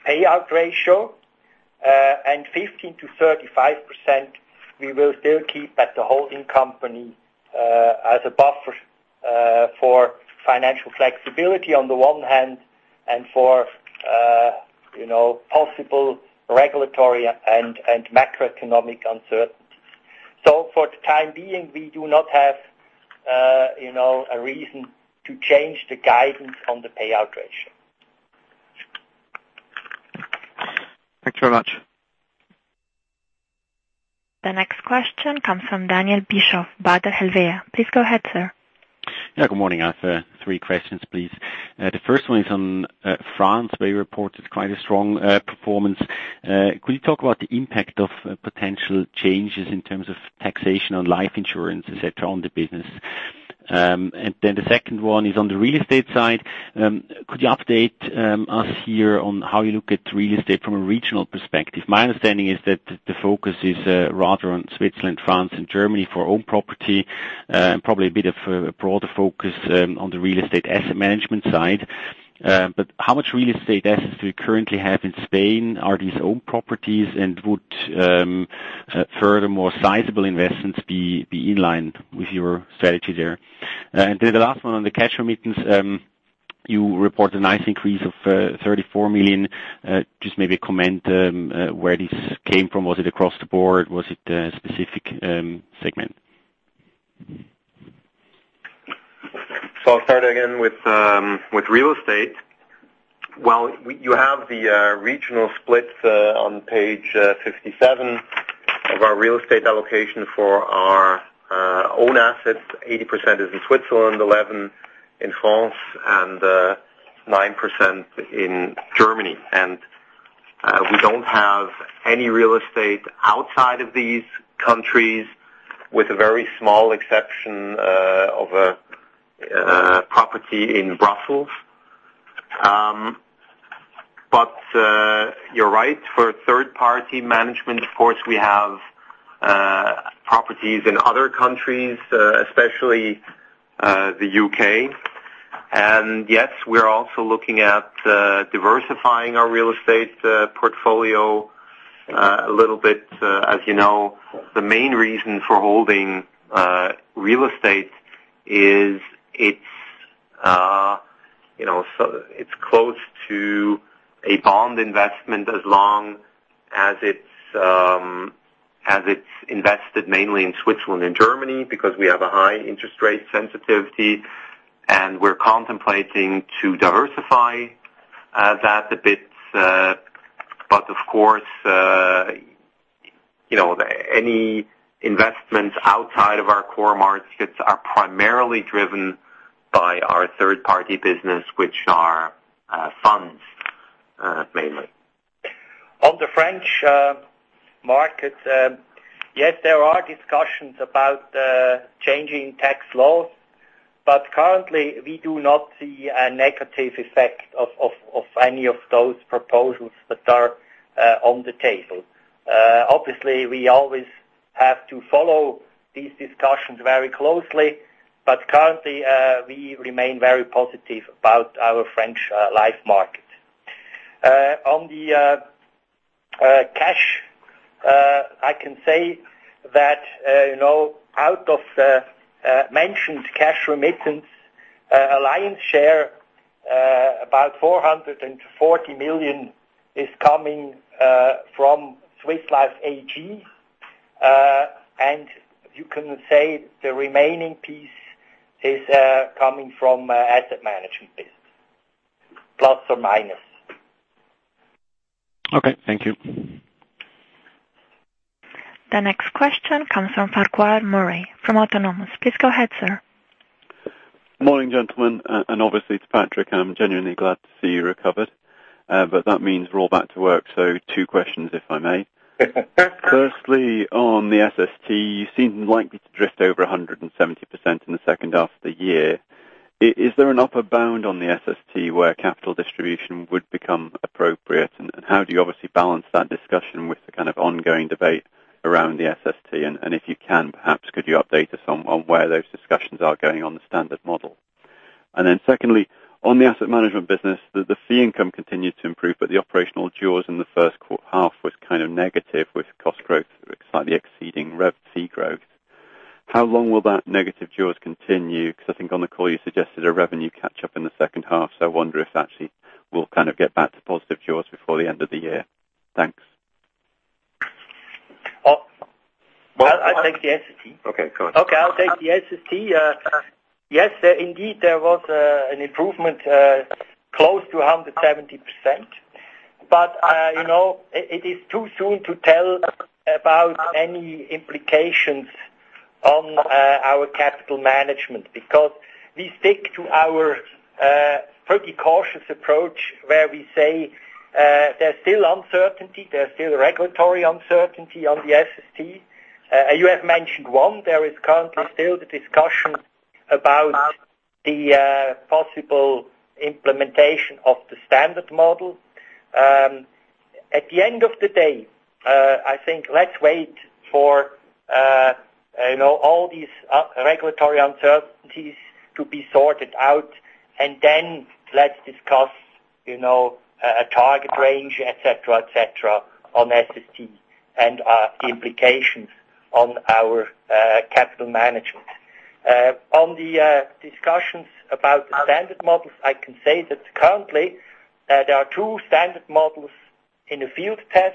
payout ratio. 15%-35%, we will still keep at the holding company as a buffer for financial flexibility on the one hand and for possible regulatory and macroeconomic uncertainties. For the time being, we do not have a reason to change the guidance on the payout ratio. Thanks very much. The next question comes from Daniel Bischof, Baader Helvea. Please go ahead, sir. Yeah, good morning. I have three questions, please. The first one is on France, where you reported quite a strong performance. Could you talk about the impact of potential changes in terms of taxation on life insurance, et cetera, on the business? The second one is on the real estate side. Could you update us here on how you look at real estate from a regional perspective? My understanding is that the focus is rather on Switzerland, France, and Germany for owned property, and probably a bit of a broader focus on the real estate asset management side. How much real estate assets do you currently have in Spain? Are these owned properties? Would furthermore sizable investments be in line with your strategy there? The last one on the cash remittance. You report a nice increase of 34 million. Just maybe comment where this came from. Was it across the board? Was it a specific segment? I'll start again with real estate. You have the regional splits on page 57 of our real estate allocation for our own assets. 80% is in Switzerland, 11% in France, and 9% in Germany. We don't have any real estate outside of these countries, with a very small exception of a property in Brussels. You're right, for third-party management, of course, we have properties in other countries, especially the U.K. Yes, we're also looking at diversifying our real estate portfolio a little bit. As you know, the main reason for holding real estate is it's close to a bond investment as long as it's invested mainly in Switzerland and Germany because we have a high interest rate sensitivity, and we're contemplating to diversify that a bit. Of course, any investments outside of our core markets are primarily driven by our third-party business, which are funds, mainly. On the French market, yes, there are discussions about changing tax laws, but currently we do not see a negative effect of any of those proposals that are on the table. Obviously, we always have to follow these discussions very closely, but currently, we remain very positive about our French life market. On the cash, I can say that out of mentioned cash remittance, lion's share, about 440 million is coming from Swiss Life AG. You can say the remaining piece is coming from asset management business. Plus or minus. Okay, thank you. The next question comes from Farquhar Murray from Autonomous. Please go ahead, sir. Morning, gentlemen. Obviously to Patrick, I am genuinely glad to see you recovered, but that means we are all back to work. Two questions, if I may. Firstly, on the SST, you seem likely to drift over 170% in the second half of the year. Is there an upper bound on the SST where capital distribution would become appropriate? How do you obviously balance that discussion with the kind of ongoing debate around the SST? If you can, perhaps could you update us on where those discussions are going on the standard model? Secondly, on the asset management business, the fee income continued to improve, but the operational jaws in the first half was kind of negative with cost growth slightly exceeding rev fee growth. How long will that negative jaws continue? I think on the call you suggested a revenue catch-up in the second half. I wonder if that actually will kind of get back to positive jaws before the end of the year. Thanks. I will take the SST. Okay, go on. Okay, I'll take the SST. Yes, indeed, there was an improvement close to 170%. It is too soon to tell about any implications on our capital management because we stick to our pretty cautious approach where we say there's still uncertainty, there's still regulatory uncertainty on the SST. You have mentioned one. There is currently still the discussion about the possible implementation of the standard model. At the end of the day, I think let's wait for all these regulatory uncertainties to be sorted out. Then let's discuss a target range, et cetera, on SST and the implications on our capital management. On the discussions about the standard models, I can say that currently there are two standard models in the field test.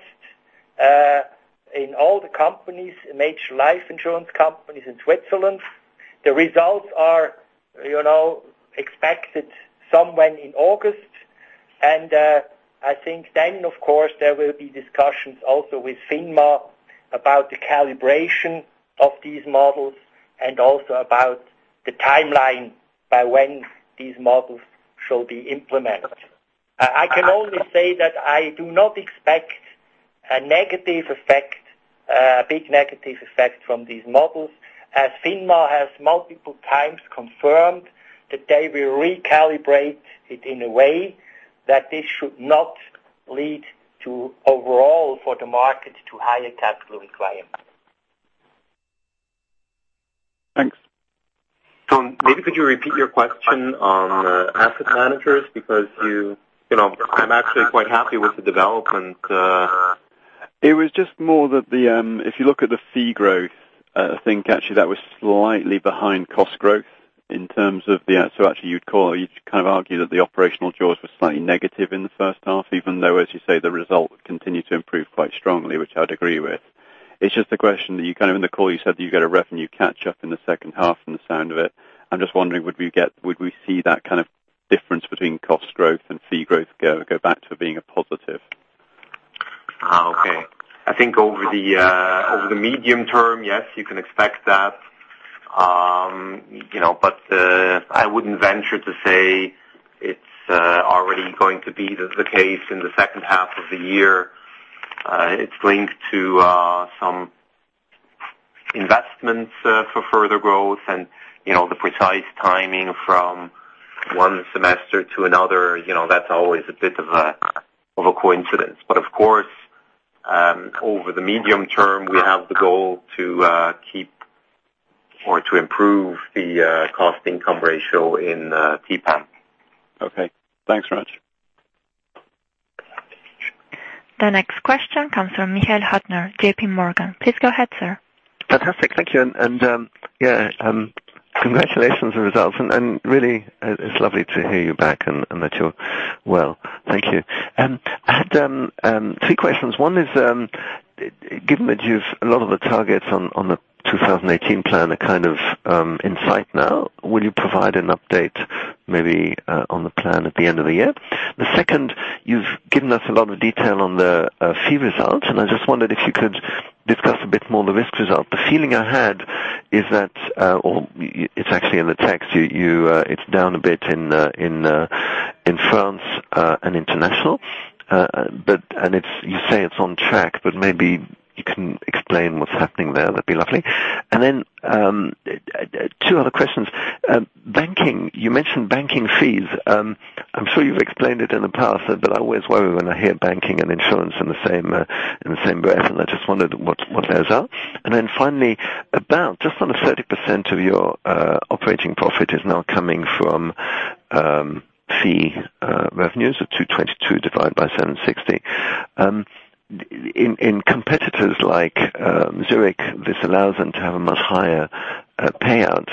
In all the companies, major life insurance companies in Switzerland. The results are expected somewhere in August. I think then, of course, there will be discussions also with FINMA about the calibration of these models and also about the timeline by when these models shall be implemented. I can only say that I do not expect a big negative effect from these models, as FINMA has multiple times confirmed that they will recalibrate it in a way that this should not lead to, overall for the market, to higher capital requirements. Thanks. Tom, maybe could you repeat your question on asset managers? Because I'm actually quite happy with the development. It was just more that if you look at the fee growth, I think actually that was slightly behind cost growth. Actually, you'd argue that the operational jaws were slightly negative in the first half, even though, as you say, the result continued to improve quite strongly, which I'd agree with. It's just a question that, in the call you said that you get a revenue catch-up in the second half from the sound of it. I'm just wondering, would we see that kind of difference between cost growth and fee growth go back to being a positive? Okay. I think over the medium term, yes, you can expect that. I wouldn't venture to say it's already going to be the case in the second half of the year. It's linked to some investments for further growth and, the precise timing from one semester to another, that's always a bit of a coincidence. Of course, over the medium term, we have the goal to keep or to improve the cost-income ratio in TPAM. Okay. Thanks very much. The next question comes from Michael Huttner, JPMorgan. Please go ahead, sir. Fantastic. Thank you. Yeah, congratulations on the results, and really, it's lovely to hear you back and that you're well. Thank you. I had three questions. One is, given that a lot of the targets on the 2018 Plan are kind of in sight now, will you provide an update maybe on the Plan at the end of the year? The second, you've given us a lot of detail on the fee results, and I just wondered if you could discuss a bit more the risk result. The feeling I had is that, or it's actually in the text, it's down a bit in France and international. You say it's on track, but maybe you can explain what's happening there. That'd be lovely. Two other questions. Banking. You mentioned banking fees. I'm sure you've explained it in the past, but I always worry when I hear banking and insurance in the same breath, and I just wondered what those are. Finally, about just under 30% of your operating profit is now coming from fee revenues of 222 divided by 760. In competitors like Zurich, this allows them to have a much higher payout.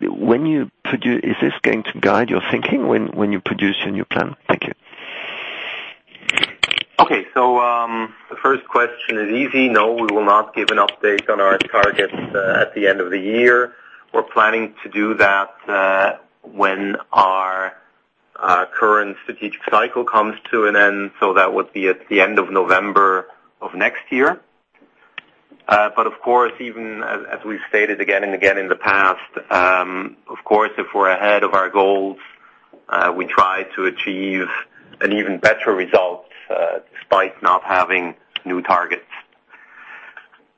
Is this going to guide your thinking when you produce your new plan? Thank you. The first question is easy. No, we will not give an update on our targets at the end of the year. We're planning to do that when our current strategic cycle comes to an end, that would be at the end of November of next year. Of course, even as we've stated again and again in the past, of course, if we're ahead of our goals, we try to achieve an even better result despite not having new targets.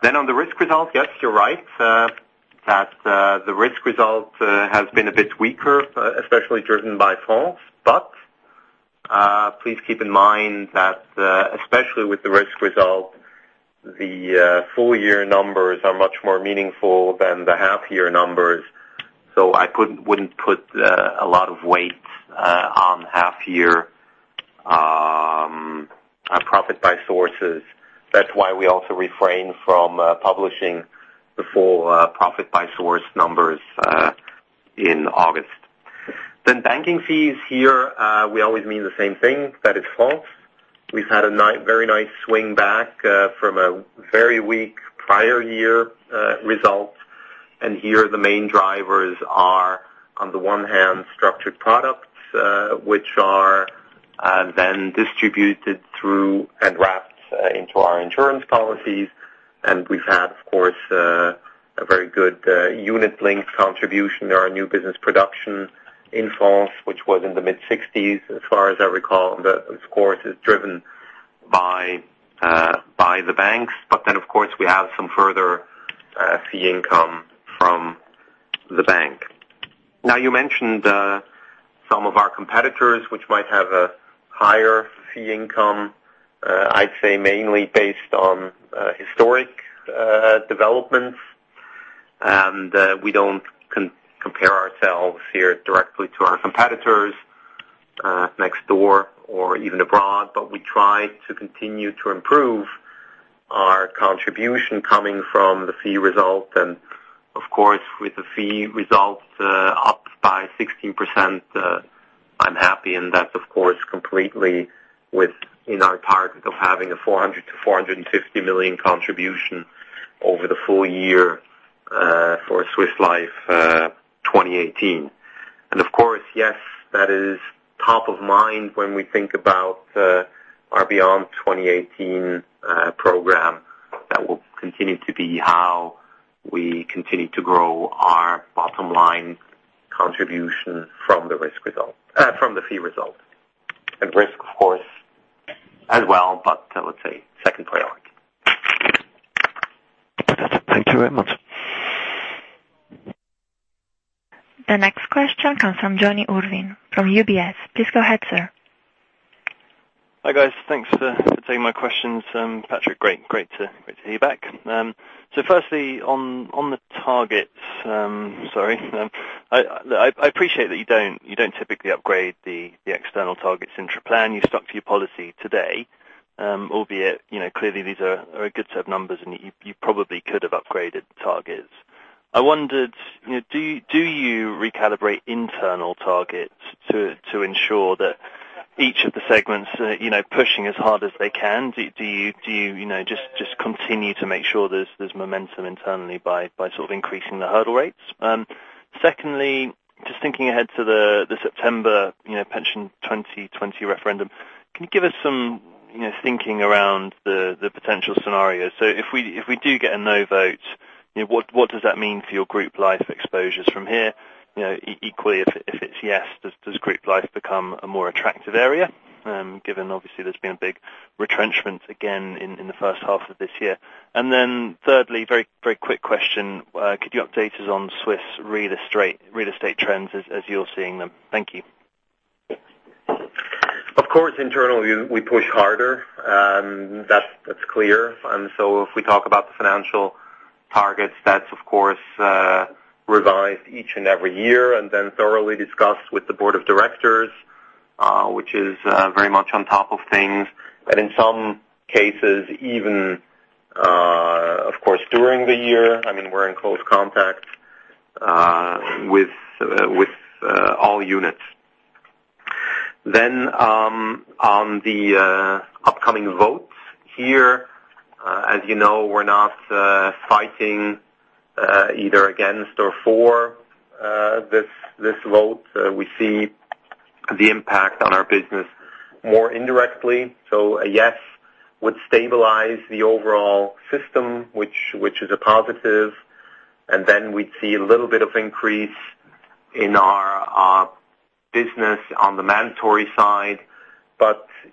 On the risk result, yes, you're right, that the risk result has been a bit weaker, especially driven by France. Please keep in mind that, especially with the risk result, the full-year numbers are much more meaningful than the half-year numbers. I wouldn't put a lot of weight on half-year profit by sources. That's why we also refrain from publishing the full profit by source numbers in August. Banking fees here, we always mean the same thing, that is France. We've had a very nice swing back from a very weak prior year result. Here, the main drivers are, on the one hand, structured products, which are then distributed through and wrapped into our insurance policies. We've had, of course, a very good unit link contribution to our new business production in France, which was in the mid-60s, as far as I recall. That, of course, is driven by the banks. Of course, we have some further fee income from the bank. Now, you mentioned some of our competitors, which might have a higher fee income. I'd say mainly based on historic developments. We don't compare ourselves here directly to our competitors, next door or even abroad. We try to continue to improve our contribution coming from the fee result and Of course, with the fee results up by 16%, I'm happy, and that's, of course, completely within our target of having a 400 million-450 million contribution over the full year for Swiss Life 2018. Of course, yes, that is top of mind when we think about our Beyond 2018 program. That will continue to be how we continue to grow our bottom line contribution from the fee result. Risk, of course, as well, but I would say secondary. Thank you very much. The next question comes from Jonny Urvan from UBS. Please go ahead, sir. Hi, guys. Thanks for taking my questions. Patrick, great to hear back. Firstly, on the targets. Sorry. I appreciate that you don't typically upgrade the external targets intra-plan. You've stuck to your policy today. Albeit, clearly these are a good set of numbers, and you probably could have upgraded targets. I wondered, do you recalibrate internal targets to ensure that each of the segments, are pushing as hard as they can? Do you just continue to make sure there's momentum internally by sort of increasing the hurdle rates? Secondly, just thinking ahead to the September Altersvorsorge 2020 referendum, can you give us some thinking around the potential scenarios? If we do get a no vote, what does that mean for your group life exposures from here? Equally, if it's yes, does group life become a more attractive area? Given obviously there's been a big retrenchment again in the first half of this year. Thirdly, very quick question. Could you update us on Swiss real estate trends as you're seeing them? Thank you. Of course, internally, we push harder. That's clear. If we talk about the financial targets, that's of course revised each and every year, and thoroughly discussed with the Board of Directors, which is very much on top of things. In some cases, even, of course, during the year, we're in close contact with all units. On the upcoming vote. Here, as you know, we're not fighting either against or for this vote. We see the impact on our business more indirectly. A yes would stabilize the overall system, which is a positive. We'd see a little bit of increase in our business on the mandatory side.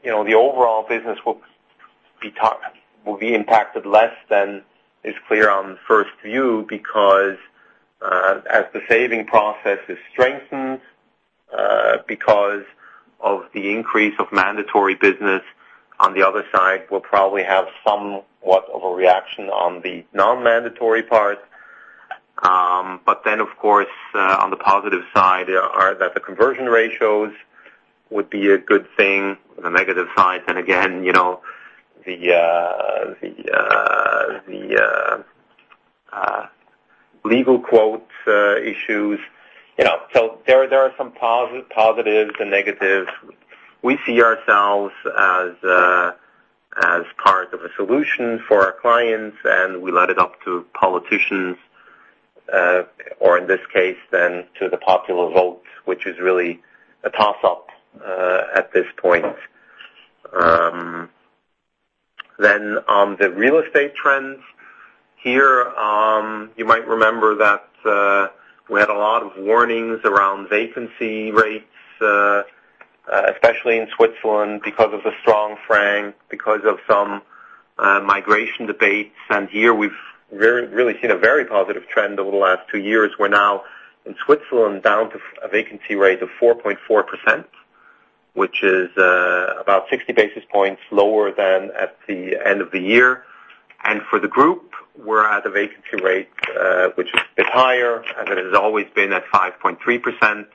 The overall business will be impacted less than is clear on first view, because as the saving process is strengthened, because of the increase of mandatory business, on the other side, we'll probably have somewhat of a reaction on the non-mandatory part. Of course, on the positive side are that the conversion ratios would be a good thing. On the negative side, again, the legal quotes issues. There are some positives and negatives. We see ourselves as part of a solution for our clients, and we let it up to politicians, or in this case to the popular vote, which is really a toss-up at this point. On the real estate trends. Here, you might remember that we had a lot of warnings around vacancy rates, especially in Switzerland, because of the strong CHF, because of some migration debates. Here we've really seen a very positive trend over the last 2 years. We're now in Switzerland down to a vacancy rate of 4.4%, which is about 60 basis points lower than at the end of the year. For the group, we're at a vacancy rate, which is a bit higher as it has always been, at 5.3%.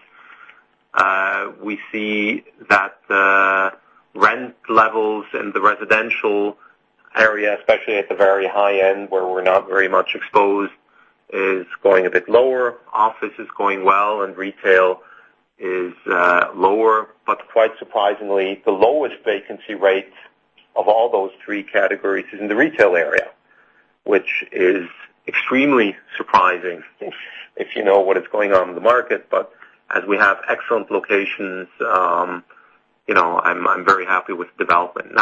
We see that the rent levels in the residential area, especially at the very high end where we're not very much exposed, is going a bit lower. Office is going well, and retail is lower. Quite surprisingly, the lowest vacancy rate of all those 3 categories is in the retail area, which is extremely surprising if you know what is going on in the market. As we have excellent locations, I'm very happy with the development.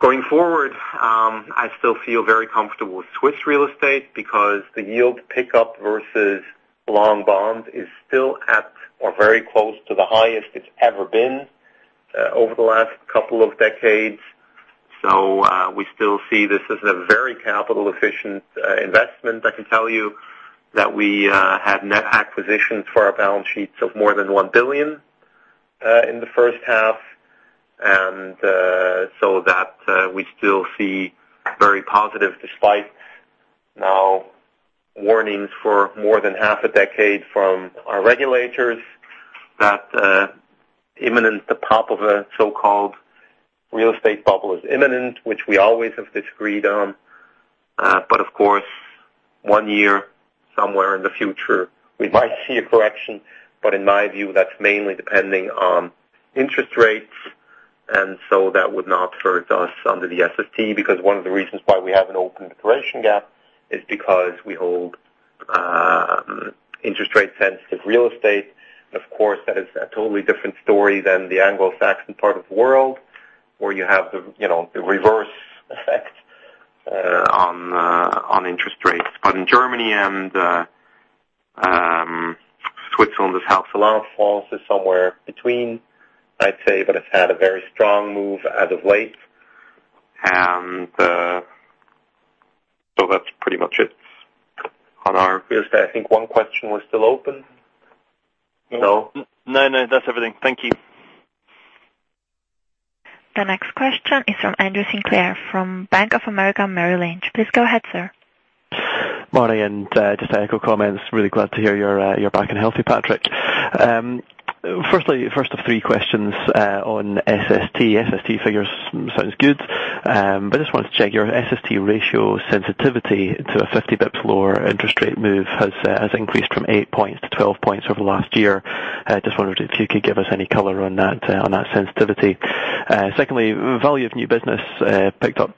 Going forward, I still feel very comfortable with Swiss real estate because the yield pickup versus long bonds is still at or very close to the highest it's ever been over the last couple of decades. We still see this as a very capital-efficient investment. I can tell you that we had net acquisitions for our balance sheets of more than 1 billion in the first half. That we still see very positive, despite now warnings for more than half a decade from our regulators that the top of a so-called real estate bubble is imminent, which we always have disagreed on. Of course, one year somewhere in the future, we might see a correction. In my view, that's mainly depending on interest rates, that would not hurt us under the SST, because one of the reasons why we have an open duration gap is because we hold interest rate-sensitive real estate. Of course, that is a totally different story than the Anglo-Saxon part of the world, where you have the reverse effect on interest rates. In Germany and Switzerland, the Swiss franc falls to somewhere between, I'd say, but it's had a very strong move as of late. That's pretty much it on our real estate. I think one question was still open. No? No, that's everything. Thank you. The next question is from Andrew Sinclair from Bank of America Merrill Lynch. Please go ahead, sir. Morning, and just to echo comments, really glad to hear you're back and healthy, Patrick. Firstly, first of three questions on SST. SST figures sounds good. I just wanted to check your SST ratio sensitivity to a 50 basis points lower interest rate move has increased from 8 points to 12 points over the last year. Just wondered if you could give us any color on that sensitivity. Secondly, value of new business picked up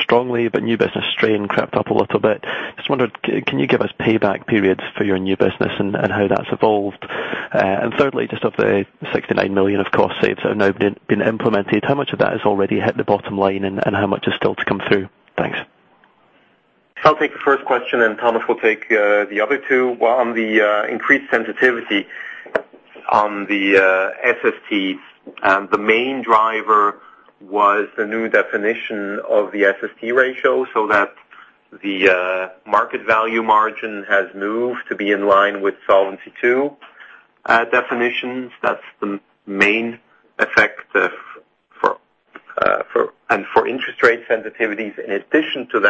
strongly, but new business strain crept up a little bit. Just wondered, can you give us payback periods for your new business and how that's evolved? Thirdly, just of the 69 million of cost saves that have now been implemented, how much of that has already hit the bottom line and how much is still to come through? Thanks. I'll take the first question and Thomas will take the other two. Well, on the increased sensitivity on the SST. The main driver was the new definition of the SST ratio, so that the market value margin has moved to be in line with Solvency II definitions. That's the main effect. For interest rate sensitivities, in addition to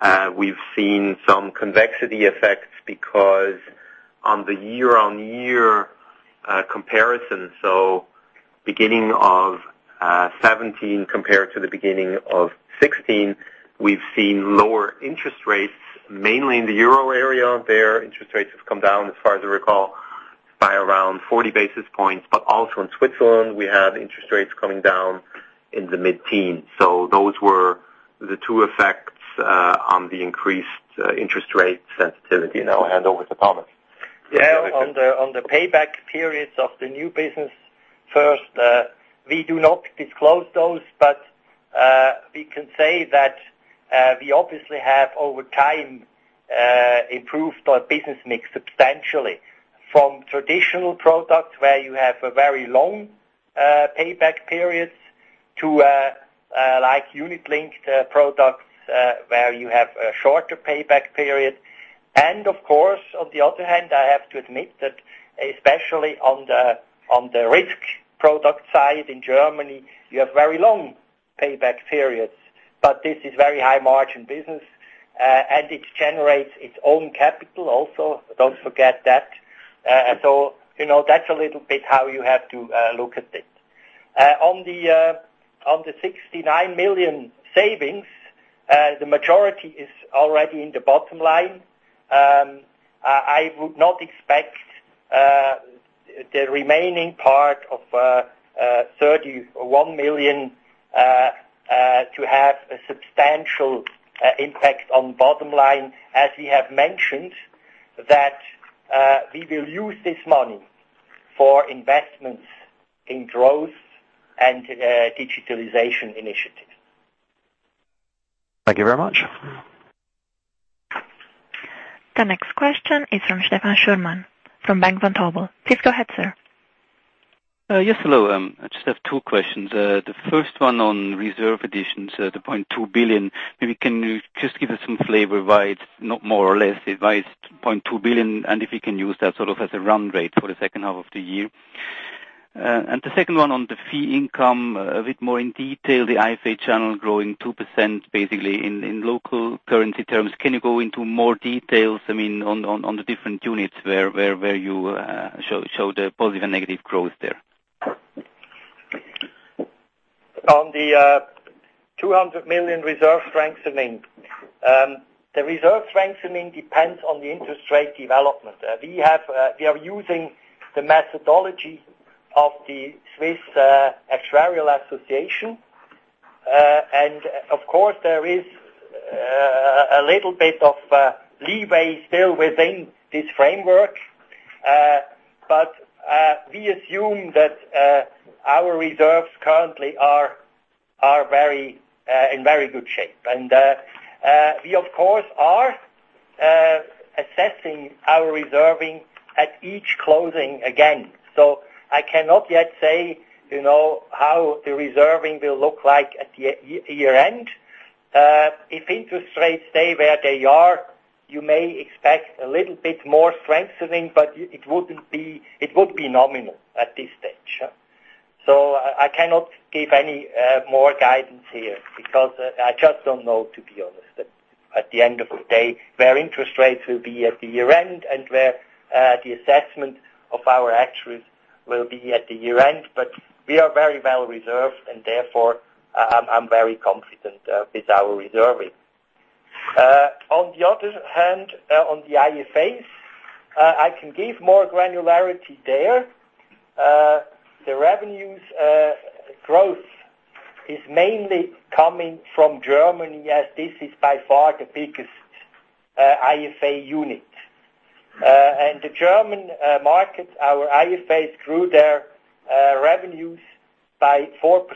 that, we've seen some convexity effects because on the year-on-year comparison, so beginning of 2017 compared to the beginning of 2016, we've seen lower interest rates, mainly in the Euro area. There, interest rates have come down, as far as I recall, by around 40 basis points, but also in Switzerland, we had interest rates coming down in the mid-teens. Those were the two effects on the increased interest rate sensitivity. Now I'll hand over to Thomas. Yeah, on the payback periods of the new business. First, we do not disclose those, but we can say that we obviously have, over time, improved our business mix substantially from traditional products where you have a very long payback periods to unit linked products, where you have a shorter payback period. Of course, on the other hand, I have to admit that, especially on the risk product side in Germany, you have very long payback periods. This is very high margin business, and it generates its own capital also. Don't forget that. That's a little bit how you have to look at it. On the 69 million savings, the majority is already in the bottom line. I would not expect the remaining part of 31 million to have a substantial impact on bottom line, as we have mentioned that we will use this money for investments in growth and digitalization initiatives. Thank you very much. The next question is from Stefan Schürmann from Bank Vontobel. Please go ahead, sir. Yes. Hello. I just have two questions. The first one on reserve additions, the 0.2 billion. Maybe can you just give us some flavor why it is not more or less, why it is 0.2 billion? If you can use that sort of as a run rate for the second half of the year. The second one on the fee income, a bit more in detail, the IFA channel growing 2% basically in local currency terms. Can you go into more details on the different units where you show the positive and negative growth there? On the 200 million reserve strengthening. The reserve strengthening depends on the interest rate development. We are using the methodology of the Swiss Association of Actuaries. Of course, there is a little bit of leeway still within this framework. We assume that our reserves currently are in very good shape. We, of course, are assessing our reserving at each closing again. I cannot yet say how the reserving will look like at year-end. If interest rates stay where they are, you may expect a little bit more strengthening, but it would be nominal at this stage. I cannot give any more guidance here because I just don't know, to be honest. At the end of the day, where interest rates will be at the year-end, and where the assessment of our actuaries will be at the year-end. We are very well reserved, and therefore, I'm very confident with our reserving. On the other hand, on the IFAs, I can give more granularity there. The revenues growth is mainly coming from Germany, as this is by far the biggest IFA unit. The German market, our IFAs grew their revenues by 4%,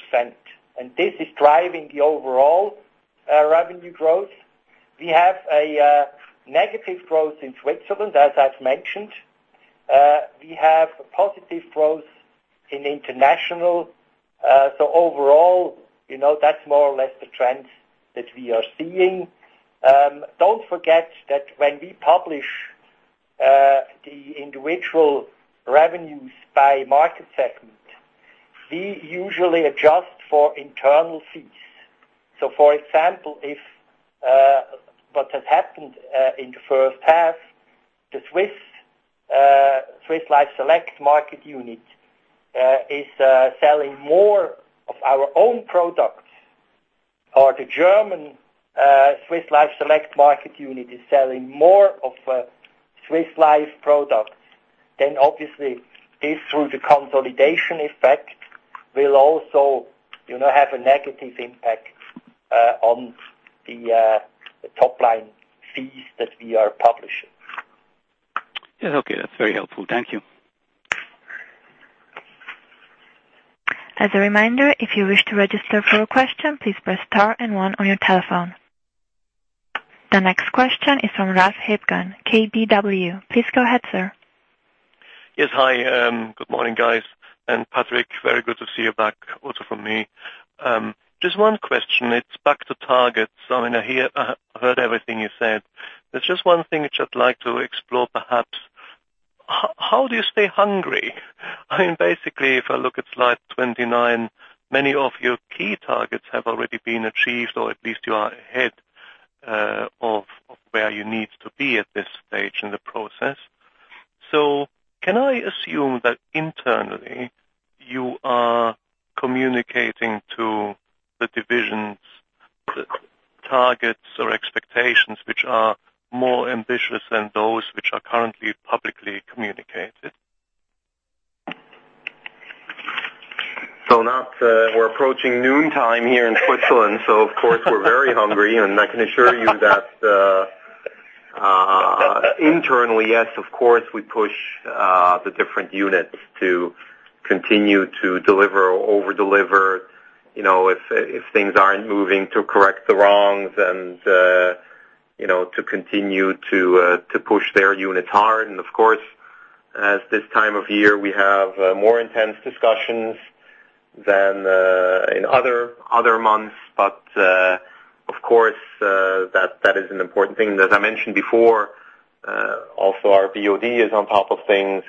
and this is driving the overall revenue growth. We have a negative growth in Switzerland, as I've mentioned. We have a positive growth in international. Overall, that's more or less the trend that we are seeing. Don't forget that when we publish the individual revenues by market segment, we usually adjust for internal fees. For example, if what has happened in the first half, the Swiss Life Select market unit is selling more of our own products. The German Swiss Life Select market unit is selling more of Swiss Life products, then obviously this, through the consolidation effect, will also have a negative impact on the top-line fees that we are publishing. Yes. Okay. That's very helpful. Thank you. As a reminder, if you wish to register for a question, please press star and one on your telephone. The next question is from Ralph Hebgen, KBW. Please go ahead, sir. Yes. Hi. Good morning, guys. Patrick, very good to see you back also from me. Just one question. It is back to targets. I heard everything you said. There is just one thing which I would like to explore perhaps. How do you stay hungry? Basically, if I look at slide 29, many of your key targets have already been achieved, or at least you are ahead of where you need to be at this stage in the process. Can I assume that internally, you are communicating to the divisions, the targets or expectations, which are more ambitious than those which are currently publicly communicated? Raf, we are approaching noontime here in Switzerland, so of course we are very hungry. I can assure you that internally, yes, of course, we push the different units to continue to deliver or over-deliver, if things are not moving, to correct the wrongs and to continue to push their units hard. Of course, as this time of year, we have more intense discussions than in other months. Of course, that is an important thing. As I mentioned before, also our BOD is on top of things.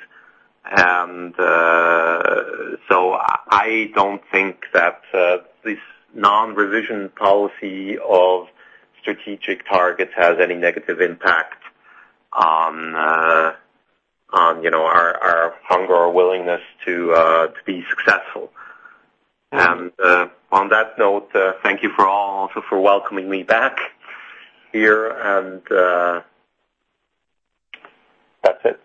I do not think that this non-revision policy of strategic targets has any negative impact on our hunger or willingness to be successful. On that note, thank you for all for welcoming me back here. That is it.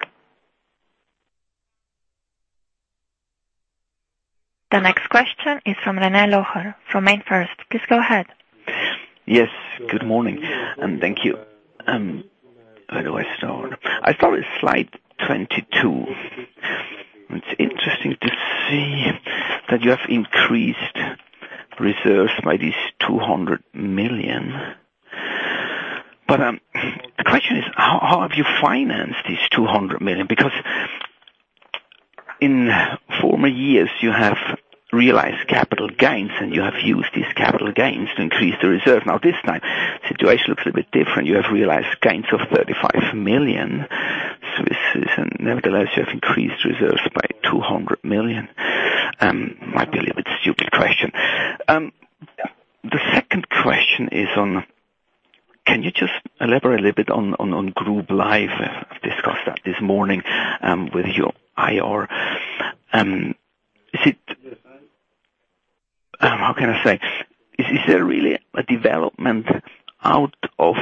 The next question is from René Locher from MainFirst. Please go ahead. Yes, good morning, and thank you. Where do I start? I start with slide 22. It is interesting to see that you have increased reserves by these 200 million. The question is, how have you financed these 200 million? Because in former years, you have realized capital gains, and you have used these capital gains to increase the reserve. Now, this time, situation looks a bit different. You have realized gains of 35 million, and nevertheless, you have increased reserves by 200 million. Might be a little bit stupid question. The second question is on, can you just elaborate a little bit on Group Life? I have discussed that this morning with your IR. How can I say? Is there really a development out of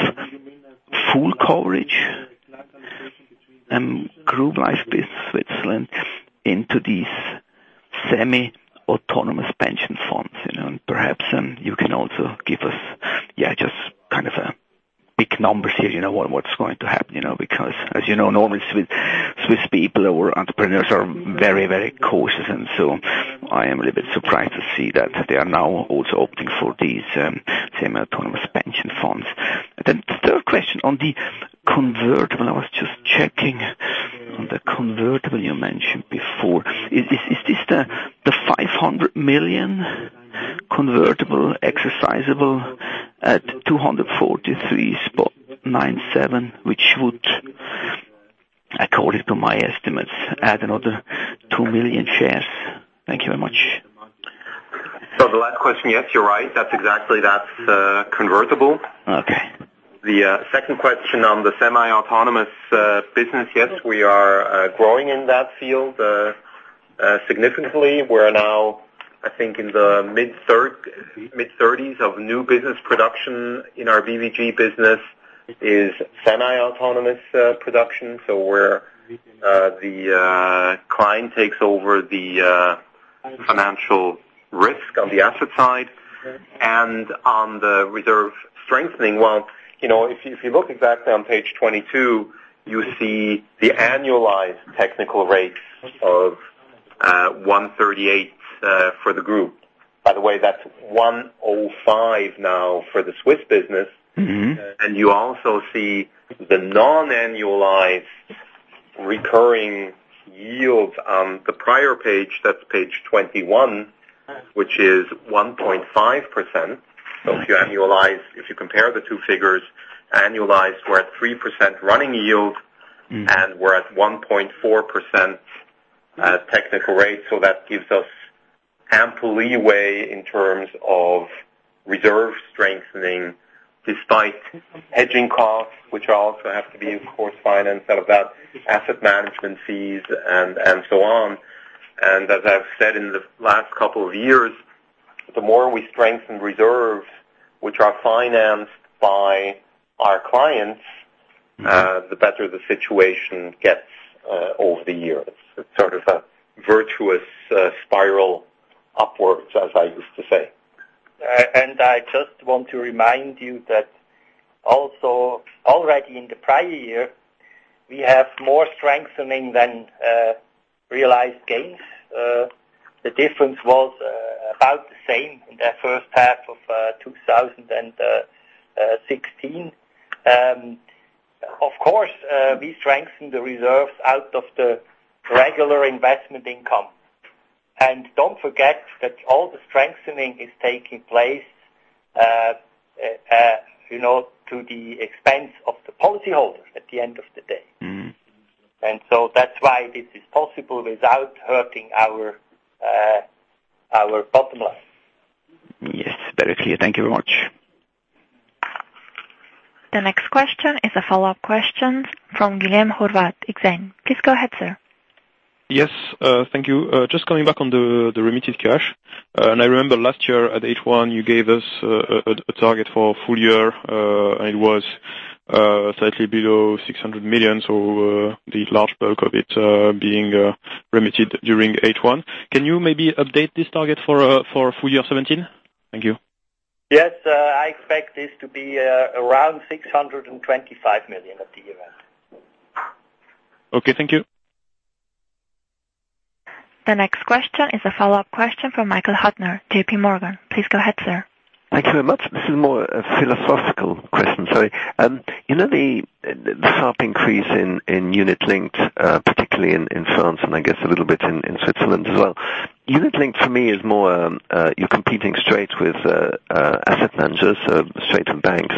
full coverage and Group Life Business Switzerland into these semi-autonomous pension funds? Perhaps, you can also give us just kind of a big numbers here, what's going to happen. As you know, normally Swiss people or entrepreneurs are very cautious, I am a little bit surprised to see that they are now also opting for these semi-autonomous pension funds. The third question on the convertible. I was just checking on the convertible you mentioned before. Is this the 500 million convertible exercisable at 243.97, which would, according to my estimates, add another 2 million shares? Thank you very much. The last question, yes, you're right. That's exactly that's convertible. Okay. The second question on the semi-autonomous business. Yes, we are growing in that field significantly. We're now, I think in the mid-30s of new business production in our BVG business is semi-autonomous production. Where the client takes over the financial risk on the asset side. On the reserve strengthening, well, if you look exactly on page 22, you see the annualized technical rates of 138 for the group. By the way, that's 105 now for the Swiss business. You also see the non-annualized recurring yields on the prior page, that's page 21, which is 1.5%. If you compare the two figures, annualized we're at 3% running yield, and we're at 1.4% technical rate. That gives us ample leeway in terms of reserve strengthening despite hedging costs, which also have to be, of course, financed out of that asset management fees and so on. As I've said in the last couple of years, the more we strengthen reserves, which are financed by our clients. The better the situation gets over the years. It's sort of a virtuous spiral upwards, as I used to say. I just want to remind you that also already in the prior year, we have more strengthening than realized gains. The difference was about the same in the first half of 2016. Of course, we strengthened the reserves out of the regular investment income. Don't forget that all the strengthening is taking place to the expense of the policy holder at the end of the day. That's why this is possible without hurting our bottom line. Yes. Very clear. Thank you very much. The next question is a follow-up question from Guillaume Horvat, Exane. Please go ahead, sir. Yes, thank you. Just coming back on the remitted cash. I remember last year at H1, you gave us a target for full year, and it was slightly below 600 million. The large bulk of it being remitted during H1. Can you maybe update this target for full year 2017? Thank you. Yes. I expect this to be around 625 million at the year end. Okay. Thank you. The next question is a follow-up question from Michael Huttner, JPMorgan. Please go ahead, sir. Thank you very much. This is more a philosophical question, sorry. The sharp increase in unit linked, particularly in France and I guess a little bit in Switzerland as well. Unit linked for me is more, you're competing straight with asset managers, straight from banks.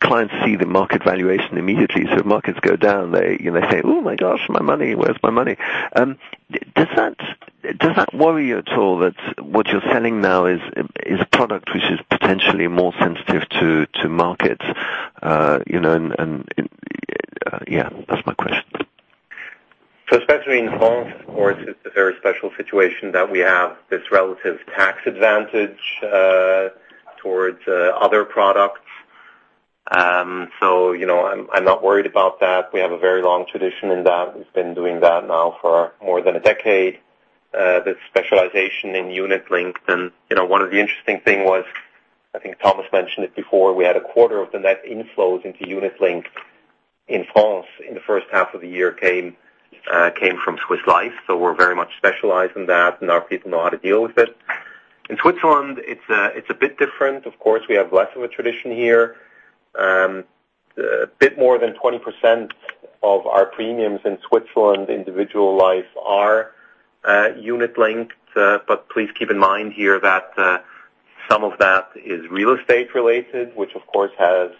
Clients see the market valuation immediately. If markets go down, they say, "Oh my gosh, my money. Where's my money?" Does that worry you at all that what you're selling now is a product which is potentially more sensitive to markets? Yeah, that's my question. Especially in France, of course, it's a very special situation that we have this relative tax advantage towards other products. I'm not worried about that. We have a very long tradition in that. We've been doing that now for more than a decade, this specialization in unit linked. One of the interesting thing was, I think Thomas mentioned it before, we had a quarter of the net inflows into unit linked in France in the first half of the year came from Swiss Life. We're very much specialized in that, and our people know how to deal with it. In Switzerland, it's a bit different. Of course, we have less of a tradition here. A bit more than 20% of our premiums in Switzerland individual Life are unit linked. Please keep in mind here that some of that is real estate related, which of course has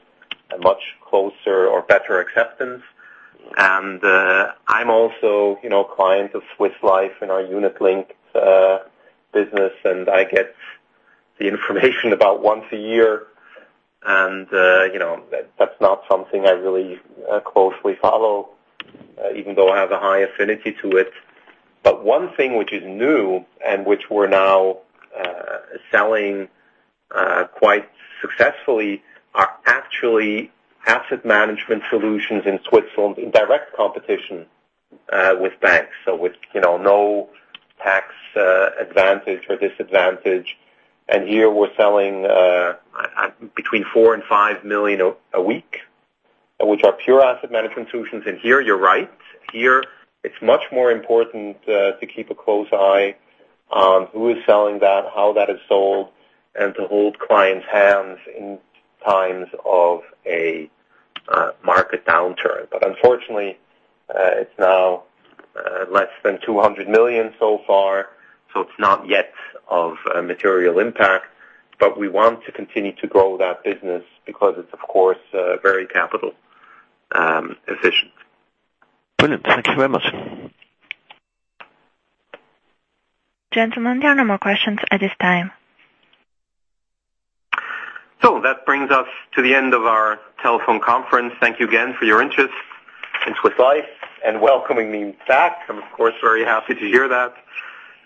a much closer or better acceptance. I'm also a client of Swiss Life in our unit linked business, and I get the information about once a year. That's not something I really closely follow, even though I have a high affinity to it. One thing which is new and which we're now selling quite successfully are actually asset management solutions in Switzerland in direct competition with banks. With no tax advantage or disadvantage. Here we're selling between 4 million and 5 million a week, which are pure asset management solutions. Here you're right. Here it's much more important to keep a close eye on who is selling that, how that is sold, and to hold clients' hands in times of a market downturn. Unfortunately, it's now less than 200 million so far, so it's not yet of a material impact. We want to continue to grow that business because it's, of course, very capital efficient. Brilliant. Thank you very much. Gentlemen, there are no more questions at this time. That brings us to the end of our telephone conference. Thank you again for your interest in Swiss Life and welcoming me back. I'm, of course, very happy to hear that.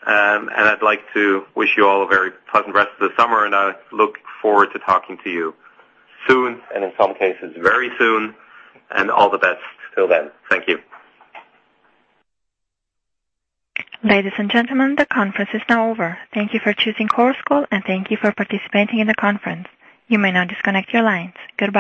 I'd like to wish you all a very pleasant rest of the summer, and I look forward to talking to you soon, and in some cases, very soon. All the best till then. Thank you. Ladies and gentlemen, the conference is now over. Thank you for choosing Chorus Call, and thank you for participating in the conference. You may now disconnect your lines. Goodbye